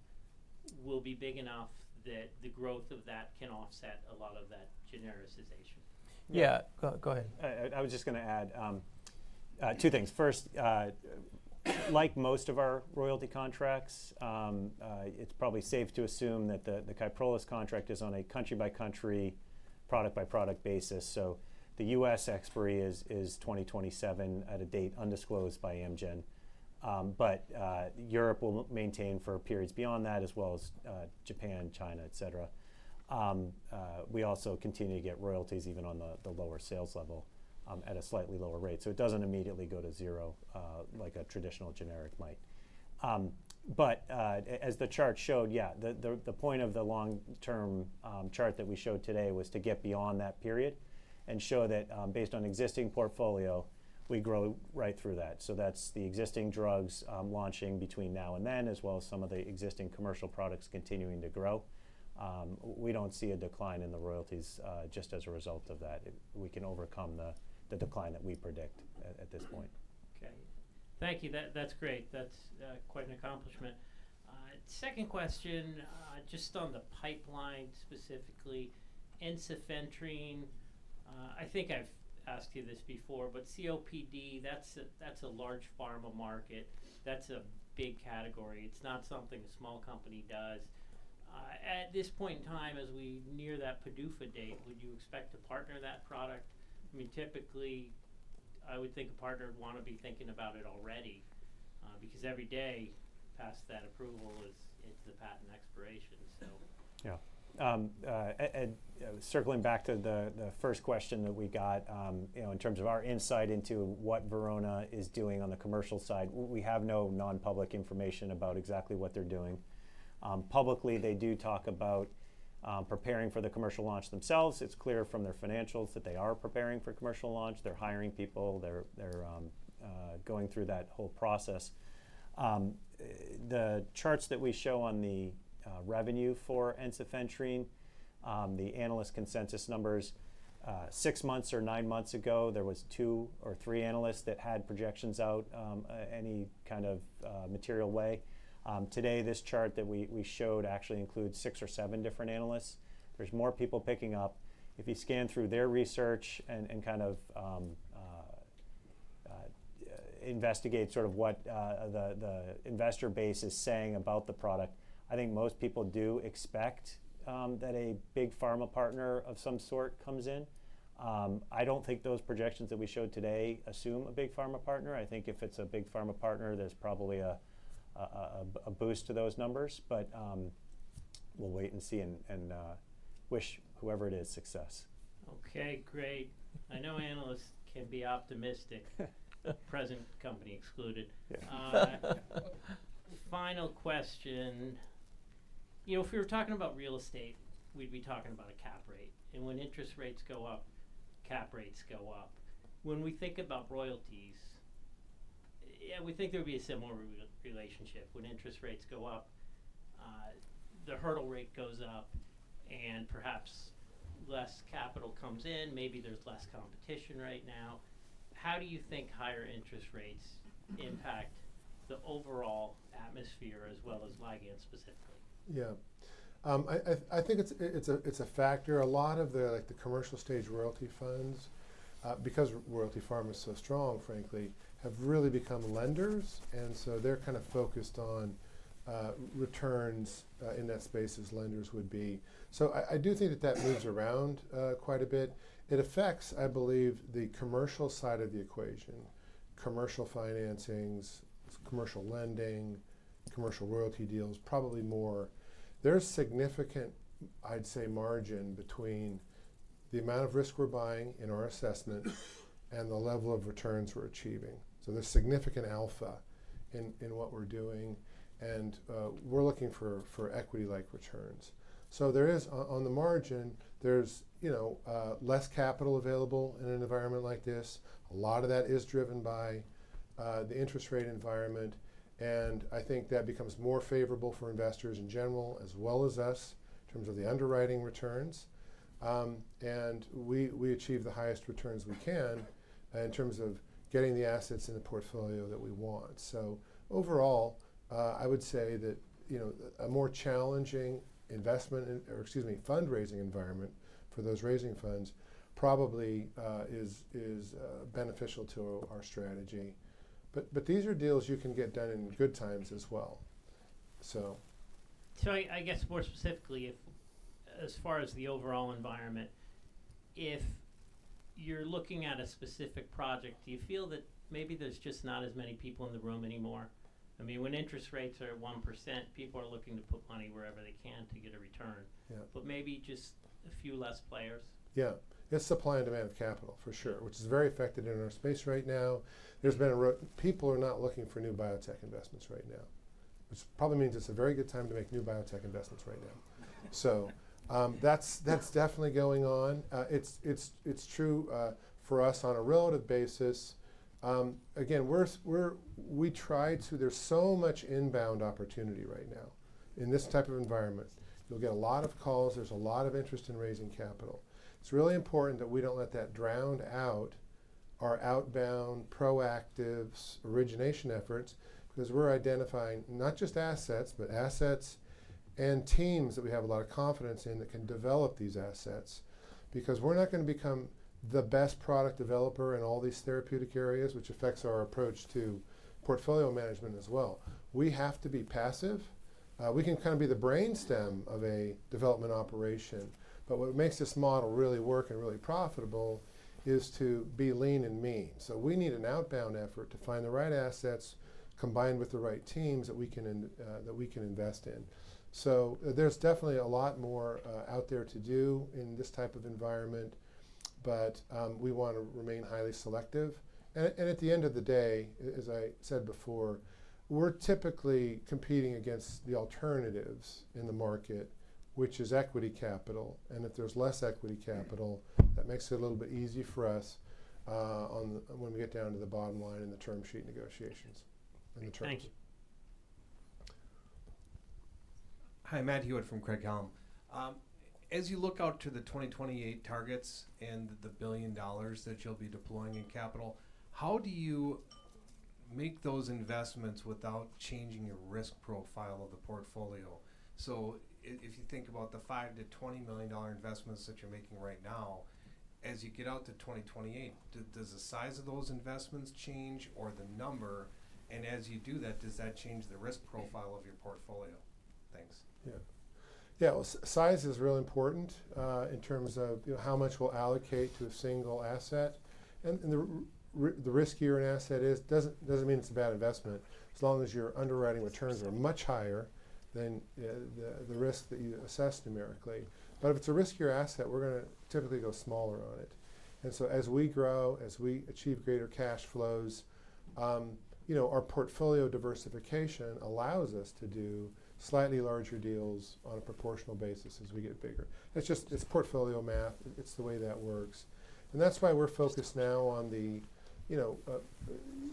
will be big enough that the growth of that can offset a lot of that genericization? Yeah. Go, go ahead. I was just gonna add two things. First, like most of our royalty contracts, it's probably safe to assume that the Kyprolis contract is on a country-by-country product by product basis. So the U.S. expiry is 2027 at a date undisclosed by Amgen, but Europe will maintain for periods beyond that, as well as Japan, China, et cetera. We also continue to get royalties even on the lower sales level at a slightly lower rate. So it doesn't immediately go to zero, like a traditional generic might. But as the chart showed, yeah, the point of the long-term chart that we showed today was to get beyond that period and show that, based on existing portfolio, we grow right through that. That's the existing drugs launching between now and then, as well as some of the existing commercial products continuing to grow. We don't see a decline in the royalties just as a result of that. We can overcome the decline that we predict at this point. Okay. Thank you. That, that's great. That's quite an accomplishment. Second question, just on the pipeline, specifically ensifentrine. I think I've asked you this before, but COPD, that's a large pharma market. That's a big category. It's not something a small company does. At this point in time, as we near that PDUFA date, would you expect to partner that product? I mean, typically, I would think a partner would wanna be thinking about it already, because every day past that approval is into the patent expiration, so. Yeah. And circling back to the first question that we got, you know, in terms of our insight into what Verona is doing on the commercial side, we have no non-public information about exactly what they're doing. Publicly, they do talk about preparing for the commercial launch themselves. It's clear from their financials that they are preparing for commercial launch. They're hiring people, they're going through that whole process. The charts that we show on the revenue for ensifentrine, the analyst consensus numbers, six months or nine months ago, there was two or three analysts that had projections out any kind of material way. Today, this chart that we showed actually includes six or seven different analysts. There's more people picking up. If you scan through their research and kind of investigate sort of what the investor base is saying about the product, I think most people do expect that a big pharma partner of some sort comes in. I don't think those projections that we showed today assume a big pharma partner. I think if it's a big pharma partner, there's probably a boost to those numbers, but we'll wait and see and wish whoever it is success. Okay, great. I know analysts can be optimistic... present company excluded. Yeah. Final question. You know, if we were talking about real estate, we'd be talking about a cap rate, and when interest rates go up, cap rates go up. When we think about royalties, yeah, we think there'd be a similar relationship. When interest rates go up, the hurdle rate goes up, and perhaps less capital comes in, maybe there's less competition right now. How do you think higher interest rates impact the overall atmosphere as well as Ligand specifically? Yeah. I think it's a factor. A lot of the, like, the commercial stage royalty funds, because Royalty Pharma is so strong, frankly, have really become lenders, and so they're kind of focused on returns in that space as lenders would be. So I do think that that moves around quite a bit. It affects, I believe, the commercial side of the equation, commercial financings, commercial lending, commercial royalty deals, probably more. There's significant, I'd say, margin between the amount of risk we're buying in our assessment and the level of returns we're achieving. So there's significant alpha in what we're doing, and we're looking for equity-like returns. So there is... On the margin, there's, you know, less capital available in an environment like this. A lot of that is driven by the interest rate environment, and I think that becomes more favorable for investors in general, as well as us, in terms of the underwriting returns. And we achieve the highest returns we can in terms of getting the assets in the portfolio that we want. So overall, I would say that, you know, a more challenging investment, or excuse me, fundraising environment for those raising funds probably is beneficial to our strategy. But these are deals you can get done in good times as well, so. So I guess more specifically, if as far as the overall environment, if you're looking at a specific project, do you feel that maybe there's just not as many people in the room anymore? I mean, when interest rates are at 1%, people are looking to put money wherever they can to get a return. Yeah. Maybe just a few less players? Yeah. It's supply and demand of capital, for sure, which is very affected in our space right now. There's been people are not looking for new biotech investments right now, which probably means it's a very good time to make new biotech investments right now. So, that's definitely going on. It's true for us on a relative basis. Again, we try to... There's so much inbound opportunity right now in this type of environment. You'll get a lot of calls. There's a lot of interest in raising capital. It's really important that we don't let that drown out our outbound, proactive origination efforts, because we're identifying not just assets, but assets and teams that we have a lot of confidence in that can develop these assets. Because we're not gonna become the best product developer in all these therapeutic areas, which affects our approach to portfolio management as well. We have to be passive-... we can kind of be the brainstem of a development operation, but what makes this model really work and really profitable is to be lean and mean. So we need an outbound effort to find the right assets, combined with the right teams that we can in, that we can invest in. So there's definitely a lot more, out there to do in this type of environment, but, we want to remain highly selective. And, and at the end of the day, a- as I said before, we're typically competing against the alternatives in the market, which is equity capital. And if there's less equity capital- Mm... that makes it a little bit easy for us, when we get down to the bottom line in the term sheet negotiations and the terms. Thank you. Hi, Matt Hewitt from Craig-Hallum. As you look out to the 2028 targets and the $1 billion that you'll be deploying in capital, how do you make those investments without changing your risk profile of the portfolio? So if you think about the $5 million-$20 million investments that you're making right now, as you get out to 2028, does the size of those investments change or the number? And as you do that, does that change the risk profile of your portfolio? Thanks. Yeah. Yeah, well, size is really important, in terms of, you know, how much we'll allocate to a single asset. And the riskier an asset is, doesn't mean it's a bad investment, as long as your underwriting returns are much higher than the risk that you assessed numerically. But if it's a riskier asset, we're gonna typically go smaller on it. And so as we grow, as we achieve greater cash flows, you know, our portfolio diversification allows us to do slightly larger deals on a proportional basis as we get bigger. It's just, it's portfolio math. It's the way that works. And that's why we're focused now on the, you know,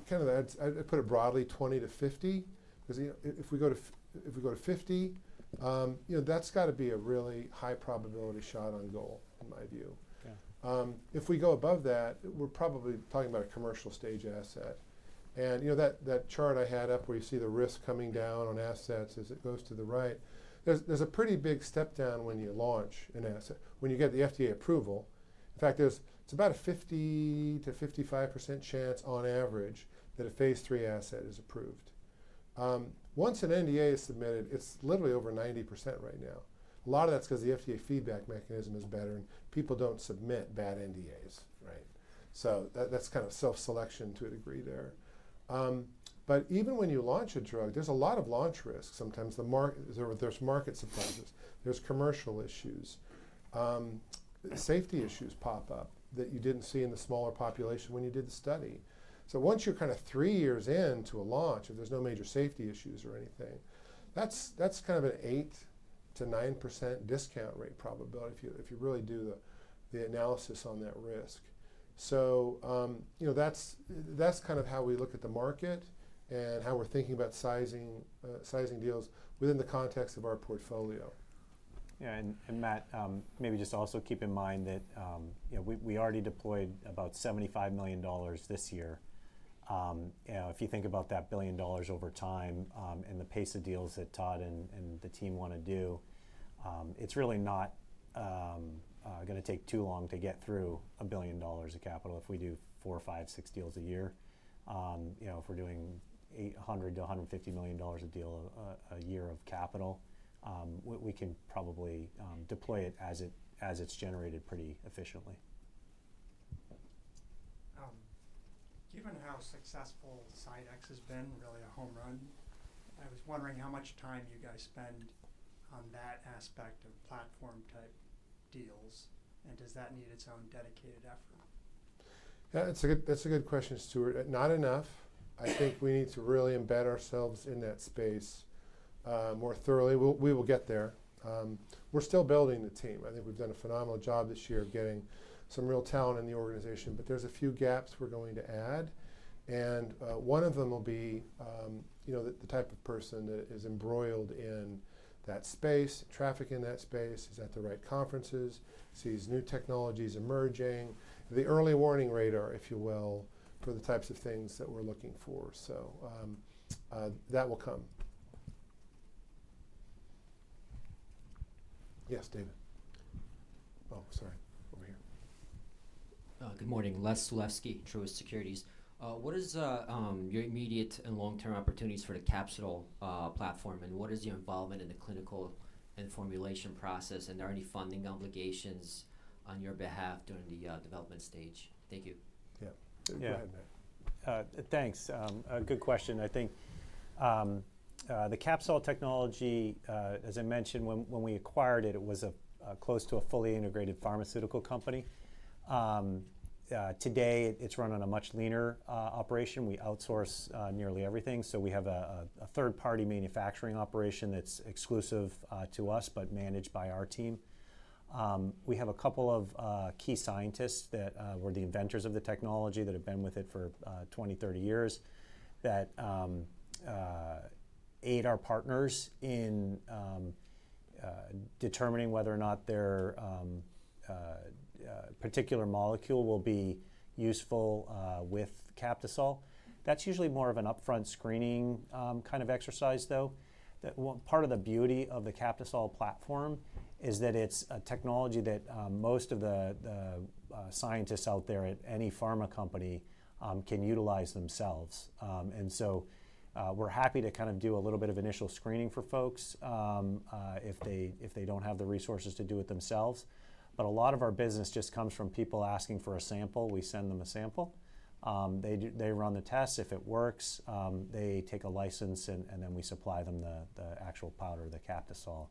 kind of the... I'd put it broadly, 20-50. Because, you know, if we go to 50, you know, that's got to be a really high probability shot on goal, in my view. Yeah. If we go above that, we're probably talking about a commercial stage asset. You know, that chart I had up, where you see the risk coming down on assets as it goes to the right, there's a pretty big step down when you launch an asset, when you get the FDA approval. In fact, there's a 50%-55% chance on average, that a phase III asset is approved. Once an NDA is submitted, it's literally over 90% right now. A lot of that's 'cause the FDA feedback mechanism is better, and people don't submit bad NDAs, right? So that's kind of self-selection to a degree there. But even when you launch a drug, there's a lot of launch risks. Sometimes the market, there, there's market surprises, there's commercial issues, safety issues pop up that you didn't see in the smaller population when you did the study. So once you're kind of three years in to a launch, and there's no major safety issues or anything, that's kind of an 8%-9% discount rate probability if you really do the analysis on that risk. So, you know, that's kind of how we look at the market and how we're thinking about sizing sizing deals within the context of our portfolio. Yeah, and Matt, maybe just also keep in mind that, you know, we already deployed about $75 million this year. You know, if you think about that $1 billion over time, and the pace of deals that Todd and the team wanna do, it's really not gonna take too long to get through $1 billion of capital if we do four, five, six deals a year. You know, if we're doing $800-$150 million a deal, a year of capital, we can probably deploy it as it's generated pretty efficiently. Given how successful CyDex has been, really a home run, I was wondering how much time you guys spend on that aspect of platform-type deals, and does that need its own dedicated effort? Yeah, that's a good question, Stuart. Not enough. I think we need to really embed ourselves in that space more thoroughly. We'll get there. We're still building the team. I think we've done a phenomenal job this year of getting some real talent in the organization, but there's a few gaps we're going to add. And one of them will be you know, the type of person that is embroiled in that space, traffic in that space, is at the right conferences, sees new technologies emerging. The early warning radar, if you will, for the types of things that we're looking for. So that will come. Yes, David. Oh, sorry. Over here. Good morning. Les Sulewski, Truist Securities. What is your immediate and long-term opportunities for the Captisol platform, and what is your involvement in the clinical and formulation process? And are there any funding obligations on your behalf during the development stage? Thank you. Yeah. Yeah. Go ahead, Matt. Thanks. A good question. I think, the Captisol technology, as I mentioned, when we acquired it, it was close to a fully integrated pharmaceutical company. Today, it's run on a much leaner operation. We outsource nearly everything, so we have a third-party manufacturing operation that's exclusive to us, but managed by our team. We have a couple of key scientists that were the inventors of the technology, that have been with it for 20, 30 years. That aid our partners in determining whether or not their particular molecule will be useful with Captisol. That's usually more of an upfront screening kind of exercise, though. That-- Well, part of the beauty of the Captisol platform is that it's a technology that, most of the scientists out there at any pharma company, can utilize themselves. And so, we're happy to kind of do a little bit of initial screening for folks, if they don't have the resources to do it themselves. But a lot of our business just comes from people asking for a sample. We send them a sample. They run the tests. If it works, they take a license, and then we supply them the actual powder, the Captisol,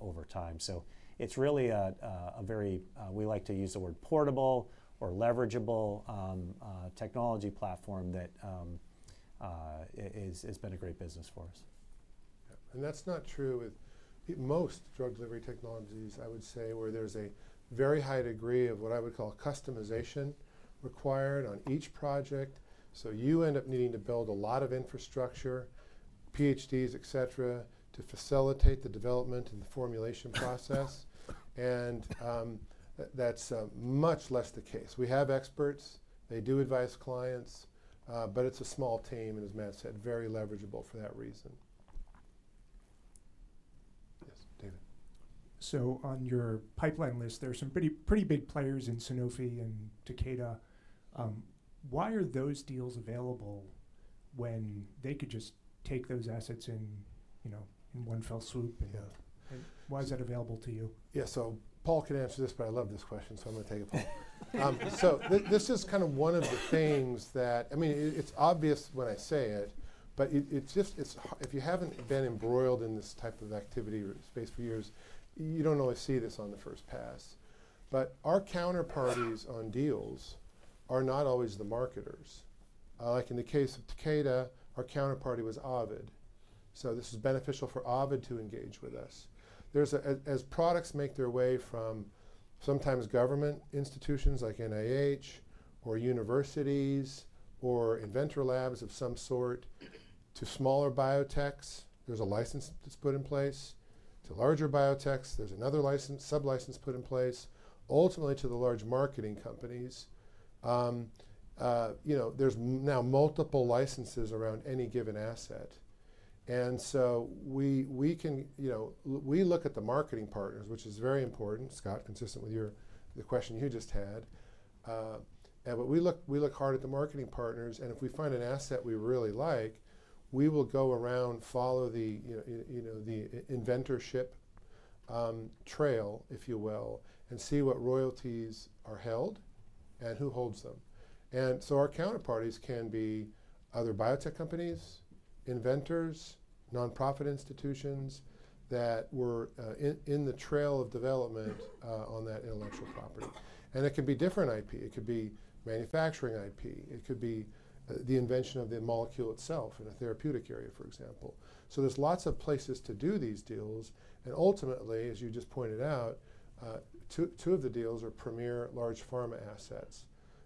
over time. So it's really a very-- we like to use the word portable or leverageable, technology platform that is, has been a great business for us. Yeah. And that's not true with most drug delivery technologies, I would say, where there's a very high degree of what I would call customization required on each project, so you end up needing to build a lot of infrastructure, PhDs, et cetera, to facilitate the development and the formulation process. That's much less the case. We have experts. They do advise clients, but it's a small team, and as Matt said, very leverageable for that reason. Yes, David. So on your pipeline list, there are some pretty, pretty big players in Sanofi and Takeda. Why are those deals available when they could just take those assets in, you know, in one fell swoop? Yeah. Why is that available to you? Yeah, so Paul can answer this, but I love this question, so I'm gonna take it, Paul. So this is kind of one of the things that... I mean, it's obvious when I say it, but it's hard if you haven't been embroiled in this type of activity or space for years. You don't always see this on the first pass. But our counterparties on deals are not always the marketers. Like in the case of Takeda, our counterparty was Ovid. So this is beneficial for Ovid to engage with us. As products make their way from sometimes government institutions like NIH or universities or inventor labs of some sort, to smaller biotechs, there's a license that's put in place. To larger biotechs, there's another license, sublicense put in place. Ultimately, to the large marketing companies, you know, there's now multiple licenses around any given asset. And so we can, you know. We look at the marketing partners, which is very important, Scott, consistent with your, the question you just had. And but we look hard at the marketing partners, and if we find an asset we really like, we will go around, follow the you know the inventorship trail, if you will, and see what royalties are held and who holds them. And so our counterparties can be other biotech companies, inventors, nonprofit institutions that were in the trail of development on that intellectual property. And it can be different IP. It could be manufacturing IP, it could be the invention of the molecule itself in a therapeutic area, for example. So there's lots of places to do these deals, and ultimately, as you just pointed out, two, two of the deals are premier large pharma assets.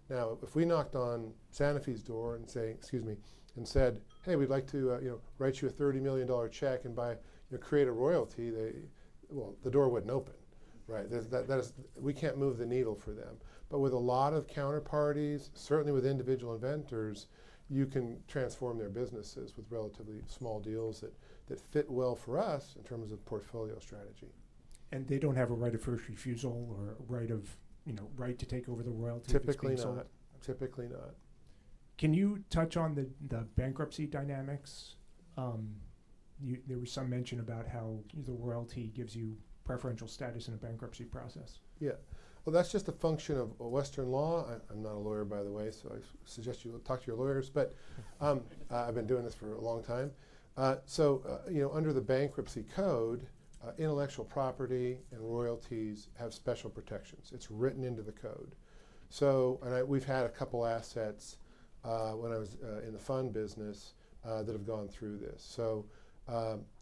Now, if we knocked on Sanofi's door and say, excuse me, and said, "Hey, we'd like to, you know, write you a $30 million check and buy," you know, "create a royalty," they... Well, the door wouldn't open, right? There's, that, that is. We can't move the needle for them. But with a lot of counterparties, certainly with individual inventors, you can transform their businesses with relatively small deals that, that fit well for us in terms of portfolio strategy. They don't have a right of first refusal or right of, you know, right to take over the royalty- Typically not. Okay. Typically not. Can you touch on the bankruptcy dynamics? You, there was some mention about how the royalty gives you preferential status in a bankruptcy process. Yeah. Well, that's just a function of western law. I'm not a lawyer, by the way, so I suggest you talk to your lawyers, but I've been doing this for a long time. So, you know, under the bankruptcy code, intellectual property and royalties have special protections. It's written into the code. So and we've had a couple assets, when I was in the fund business, that have gone through this. So,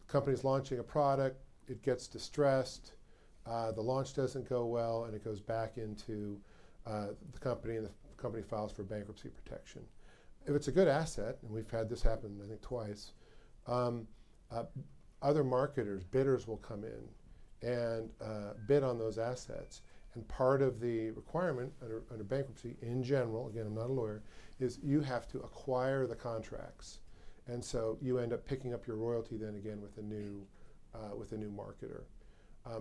company's launching a product, it gets distressed, the launch doesn't go well, and it goes back into the company, and the company files for bankruptcy protection. If it's a good asset, and we've had this happen, I think twice, other marketers, bidders will come in and bid on those assets. Part of the requirement under bankruptcy, in general, again, I'm not a lawyer, is you have to acquire the contracts. And so you end up picking up your royalty then again with a new with a new marketer.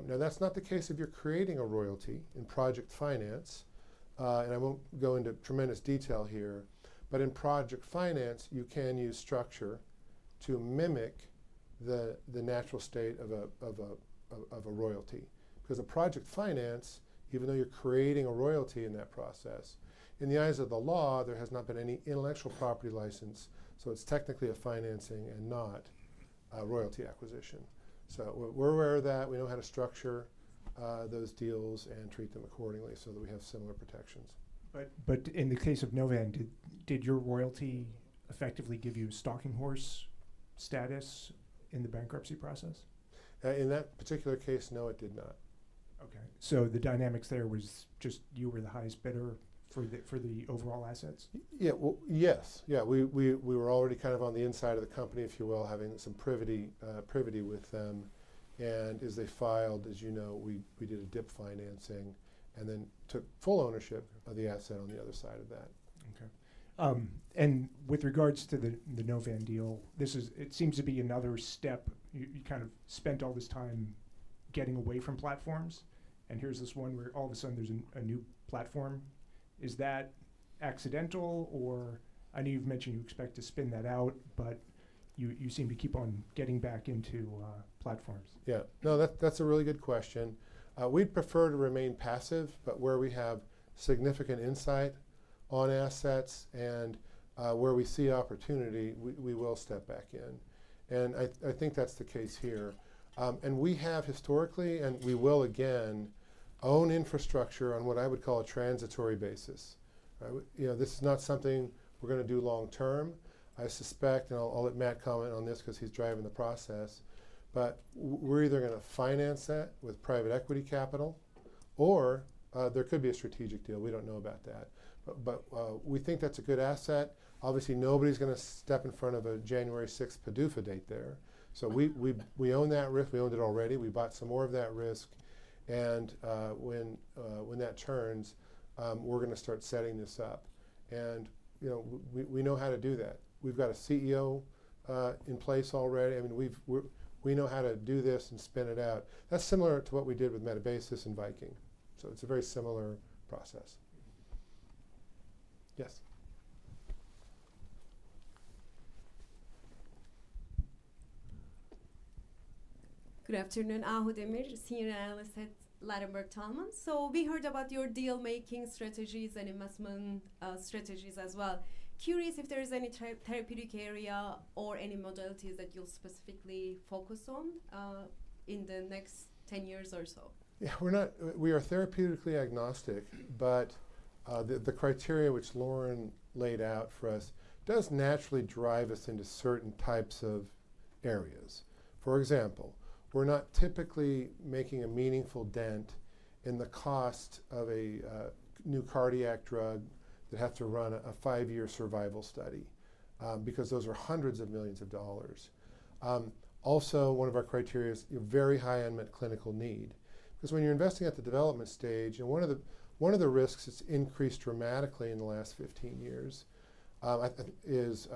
Now, that's not the case if you're creating a royalty in project finance, and I won't go into tremendous detail here. But in project finance, you can use structure to mimic the natural state of a royalty. Because a project finance, even though you're creating a royalty in that process, in the eyes of the law, there has not been any intellectual property license, so it's technically a financing and not a royalty acquisition. So we're aware of that. We know how to structure those deals and treat them accordingly so that we have similar protections. But in the case of Novan, did your royalty effectively give you stalking horse status in the bankruptcy process? In that particular case, no, it did not.... Okay, so the dynamics there was just you were the highest bidder for the overall assets? Yeah. Well, yes. Yeah, we were already kind of on the inside of the company, if you will, having some privity with them. And as they filed, as you know, we did a DIP financing and then took full ownership of the asset on the other side of that. Okay. And with regards to the Novan deal, this is, it seems to be another step. You kind of spent all this time getting away from platforms, and here's this one where all of a sudden there's a new platform. Is that accidental or... I know you've mentioned you expect to spin that out, but you seem to keep on getting back into platforms. Yeah. No, that's, that's a really good question. We'd prefer to remain passive, but where we have significant insight on assets and where we see opportunity, we will step back in, and I think that's the case here. And we have historically, and we will again, own infrastructure on what I would call a transitory basis. You know, this is not something we're gonna do long term. I suspect, and I'll let Matt comment on this 'cause he's driving the process, but we're either gonna finance that with private equity capital or there could be a strategic deal. We don't know about that. But we think that's a good asset. Obviously, nobody's gonna step in front of a January sixth PDUFA date there. So we own that risk. We owned it already. We bought some more of that risk, and when that turns, we're gonna start setting this up. And, you know, we know how to do that. We've got a CEO in place already. I mean, we've... We know how to do this and spin it out. That's similar to what we did with Metabasis and Viking, so it's a very similar process. Yes. Good afternoon. Ahu Demir, Senior Analyst at Ladenburg Thalmann. So we heard about your deal-making strategies and investment strategies as well. Curious if there is any therapeutic area or any modalities that you'll specifically focus on in the next ten years or so? Yeah, we are therapeutically agnostic, but the criteria which Lauren laid out for us does naturally drive us into certain types of areas. For example, we're not typically making a meaningful dent in the cost of a new cardiac drug that have to run a five-year survival study, because those are $hundreds of millions. Also, one of our criteria is a very high unmet clinical need, 'cause when you're investing at the development stage, and one of the risks that's increased dramatically in the last 15 years is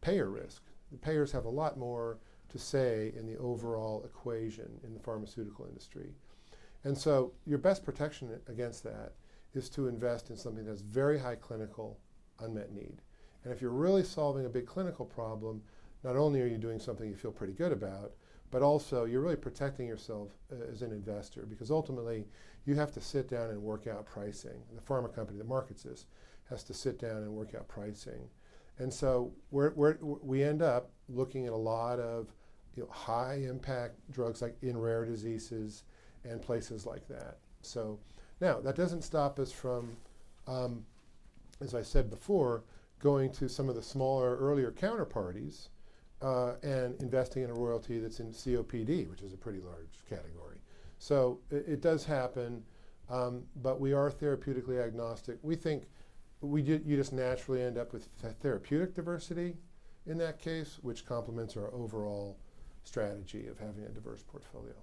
payer risk. The payers have a lot more to say in the overall equation in the pharmaceutical industry. And so your best protection against that is to invest in something that's very high clinical unmet need. If you're really solving a big clinical problem, not only are you doing something you feel pretty good about, but also you're really protecting yourself as an investor, because ultimately you have to sit down and work out pricing. The pharma company that markets this has to sit down and work out pricing. So we end up looking at a lot of, you know, high-impact drugs like in rare diseases and places like that. So now, that doesn't stop us from, as I said before, going to some of the smaller, earlier counterparties and investing in a royalty that's in COPD, which is a pretty large category. So it does happen, but we are therapeutically agnostic. We think we do. You just naturally end up with therapeutic diversity in that case, which complements our overall strategy of having a diverse portfolio.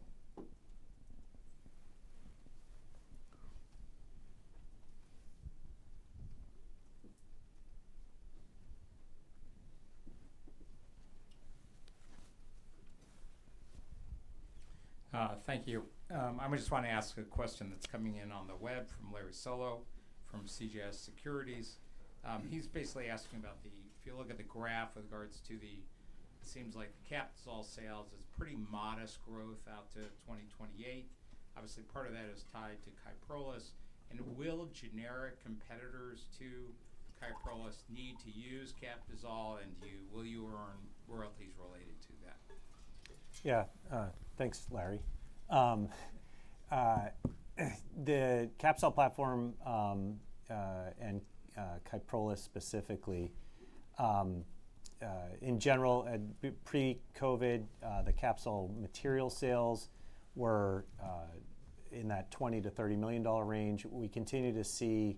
Thank you. I just want to ask a question that's coming in on the web from Larry Solow, from CJS Securities. He's basically asking about the... If you look at the graph with regards to the Captisol sales, it seems like the Captisol sales is pretty modest growth out to 2028. Obviously, part of that is tied to Kyprolis. And will generic competitors to Kyprolis need to use Captisol, and will you earn royalties related to that? Yeah. Thanks, Larry. The Captisol platform and Kyprolis specifically, in general, pre-COVID, the Captisol material sales were in that $20 million-$30 million range. We continue to see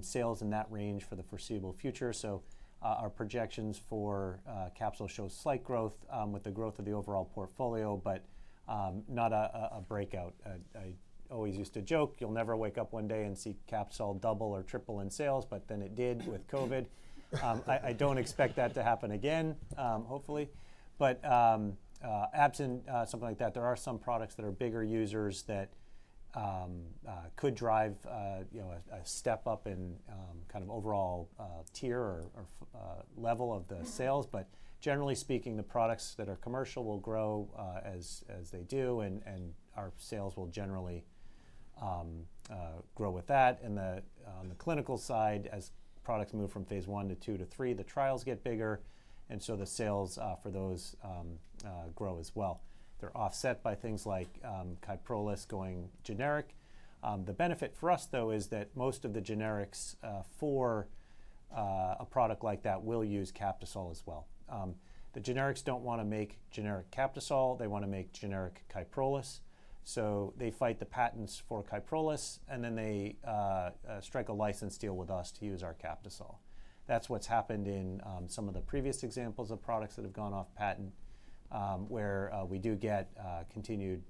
sales in that range for the foreseeable future. So, our projections for Captisol show slight growth with the growth of the overall portfolio, but not a breakout. I always used to joke, "You'll never wake up one day and see Captisol double or triple in sales," but then it did with COVID. I don't expect that to happen again, hopefully. But absent something like that, there are some products that are bigger users that could drive, you know, a step up in kind of overall tier or level of the sales. But generally speaking, the products that are commercial will grow as they do, and our sales will generally grow with that. The clinical side, as products move from phase I to II to III, the trials get bigger, and so the sales for those grow as well. They're offset by things like Kyprolis going generic. The benefit for us, though, is that most of the generics for a product like that will use Captisol as well. The generics don't wanna make generic Captisol, they wanna make generic Kyprolis. So they fight the patents for Kyprolis, and then they strike a license deal with us to use our Captisol. That's what's happened in some of the previous examples of products that have gone off patent, where we do get continued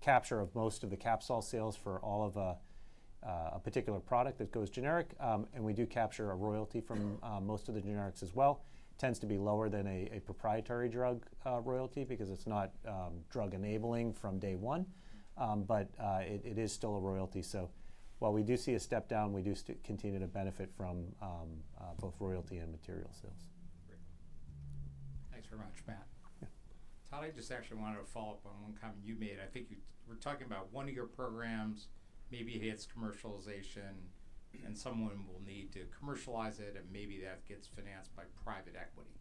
capture of most of the Captisol sales for all of a particular product that goes generic. And we do capture a royalty from most of the generics as well. Tends to be lower than a proprietary drug royalty, because it's not drug-enabling from day one, but it is still a royalty. So while we do see a step down, we do continue to benefit from both royalty and material sales. Great. Thanks very much, Matt. Yeah. Todd, I just actually wanted to follow up on one comment you made. I think you - we're talking about one of your programs, maybe it hits commercialization, and someone will need to commercialize it, and maybe that gets financed by private equity.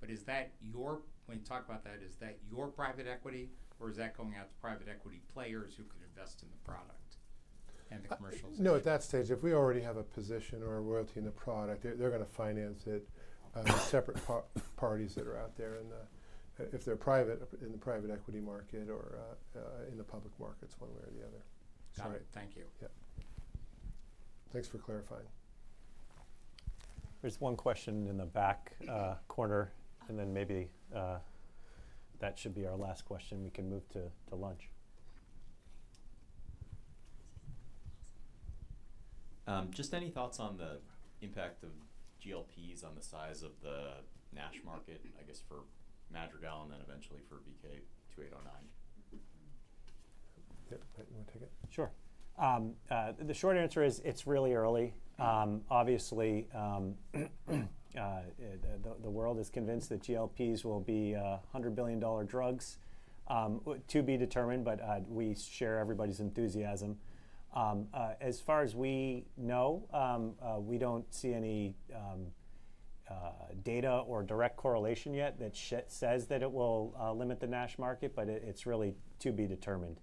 But is that your... When you talk about that, is that your private equity, or is that going out to private equity players who could invest in the product and the commercialization? No, at that stage, if we already have a position or a royalty in the product, they're gonna finance it, separate parties that are out there. And, if they're private, up in the private equity market or, in the public markets, one way or the other. Sorry. Thank you. Yeah. Thanks for clarifying. There's one question in the back corner, and then maybe that should be our last question. We can move to lunch. Just any thoughts on the impact of GLPs on the size of the NASH market, I guess, for Madrigal and then eventually for VK2809? Yeah. You wanna take it? Sure. The short answer is, it's really early. Yeah. Obviously, the world is convinced that GLPs will be $100 billion drugs. To be determined, but we share everybody's enthusiasm. As far as we know, we don't see any data or direct correlation yet that says that it will limit the NASH market, but it's really to be determined.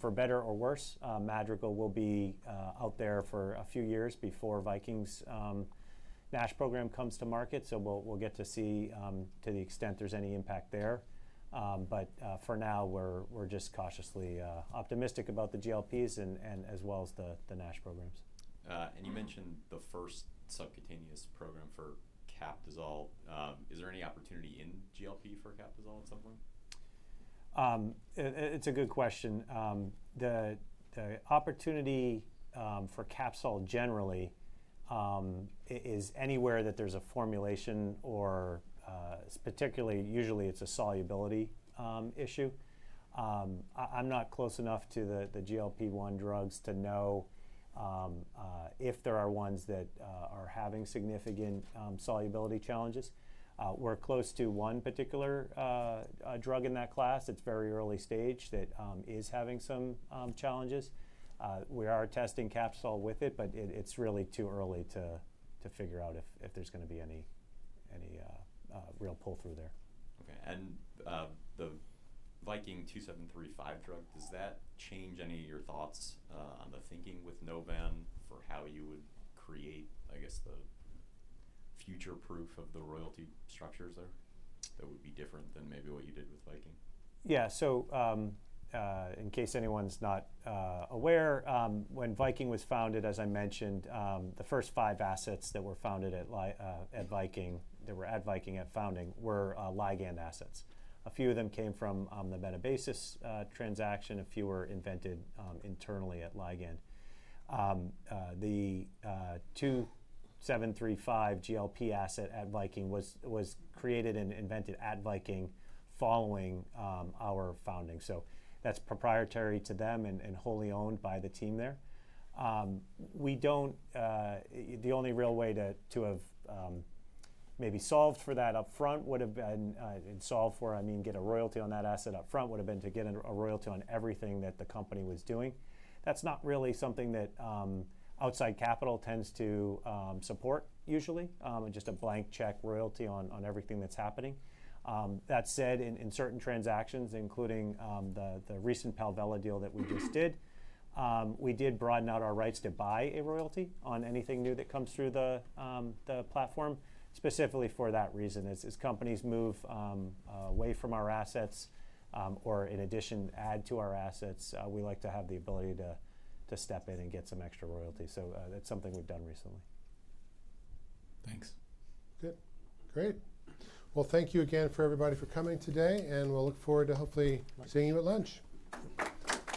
For better or worse, Madrigal will be out there for a few years before Viking's NASH program comes to market, so we'll get to see to the extent there's any impact there. But for now, we're just cautiously optimistic about the GLPs and as well as the NASH programs. You mentioned the first subcutaneous program for Captisol. Is there any opportunity in GLP for Captisol at some point? It's a good question. The opportunity for Captisol, generally, is anywhere that there's a formulation or, particularly, usually it's a solubility issue. I'm not close enough to the GLP-1 drugs to know if there are ones that are having significant solubility challenges. We're close to one particular drug in that class, it's very early stage, that is having some challenges. We are testing Captisol with it, but it's really too early to figure out if there's gonna be any real pull-through there. Okay. And, the Viking 2735 drug, does that change any of your thoughts, on the thinking with Novan, for how you would create, I guess, the future-proof of the royalty structures there, that would be different than maybe what you did with Viking? Yeah. So, in case anyone's not aware, when Viking was founded, as I mentioned, the first five assets that were founded at Viking, that were at Viking at founding, were Ligand assets. A few of them came from the Metabasis transaction, a few were invented internally at Ligand. The 2735 GLP asset at Viking was created and invented at Viking following our founding. So that's proprietary to them and wholly owned by the team there. We don't... The only real way to have maybe solved for that upfront would've been, and solve for, I mean, get a royalty on that asset upfront, would've been to get a royalty on everything that the company was doing. That's not really something that outside capital tends to support usually, just a blank check royalty on everything that's happening. That said, in certain transactions, including the recent Palvella deal that we just did, we did broaden out our rights to buy a royalty on anything new that comes through the platform, specifically for that reason. As companies move away from our assets, or in addition, add to our assets, we like to have the ability to step in and get some extra royalty. So, that's something we've done recently. Thanks. Good. Great. Well, thank you again for everybody for coming today, and we'll look forward to hopefully seeing you at lunch.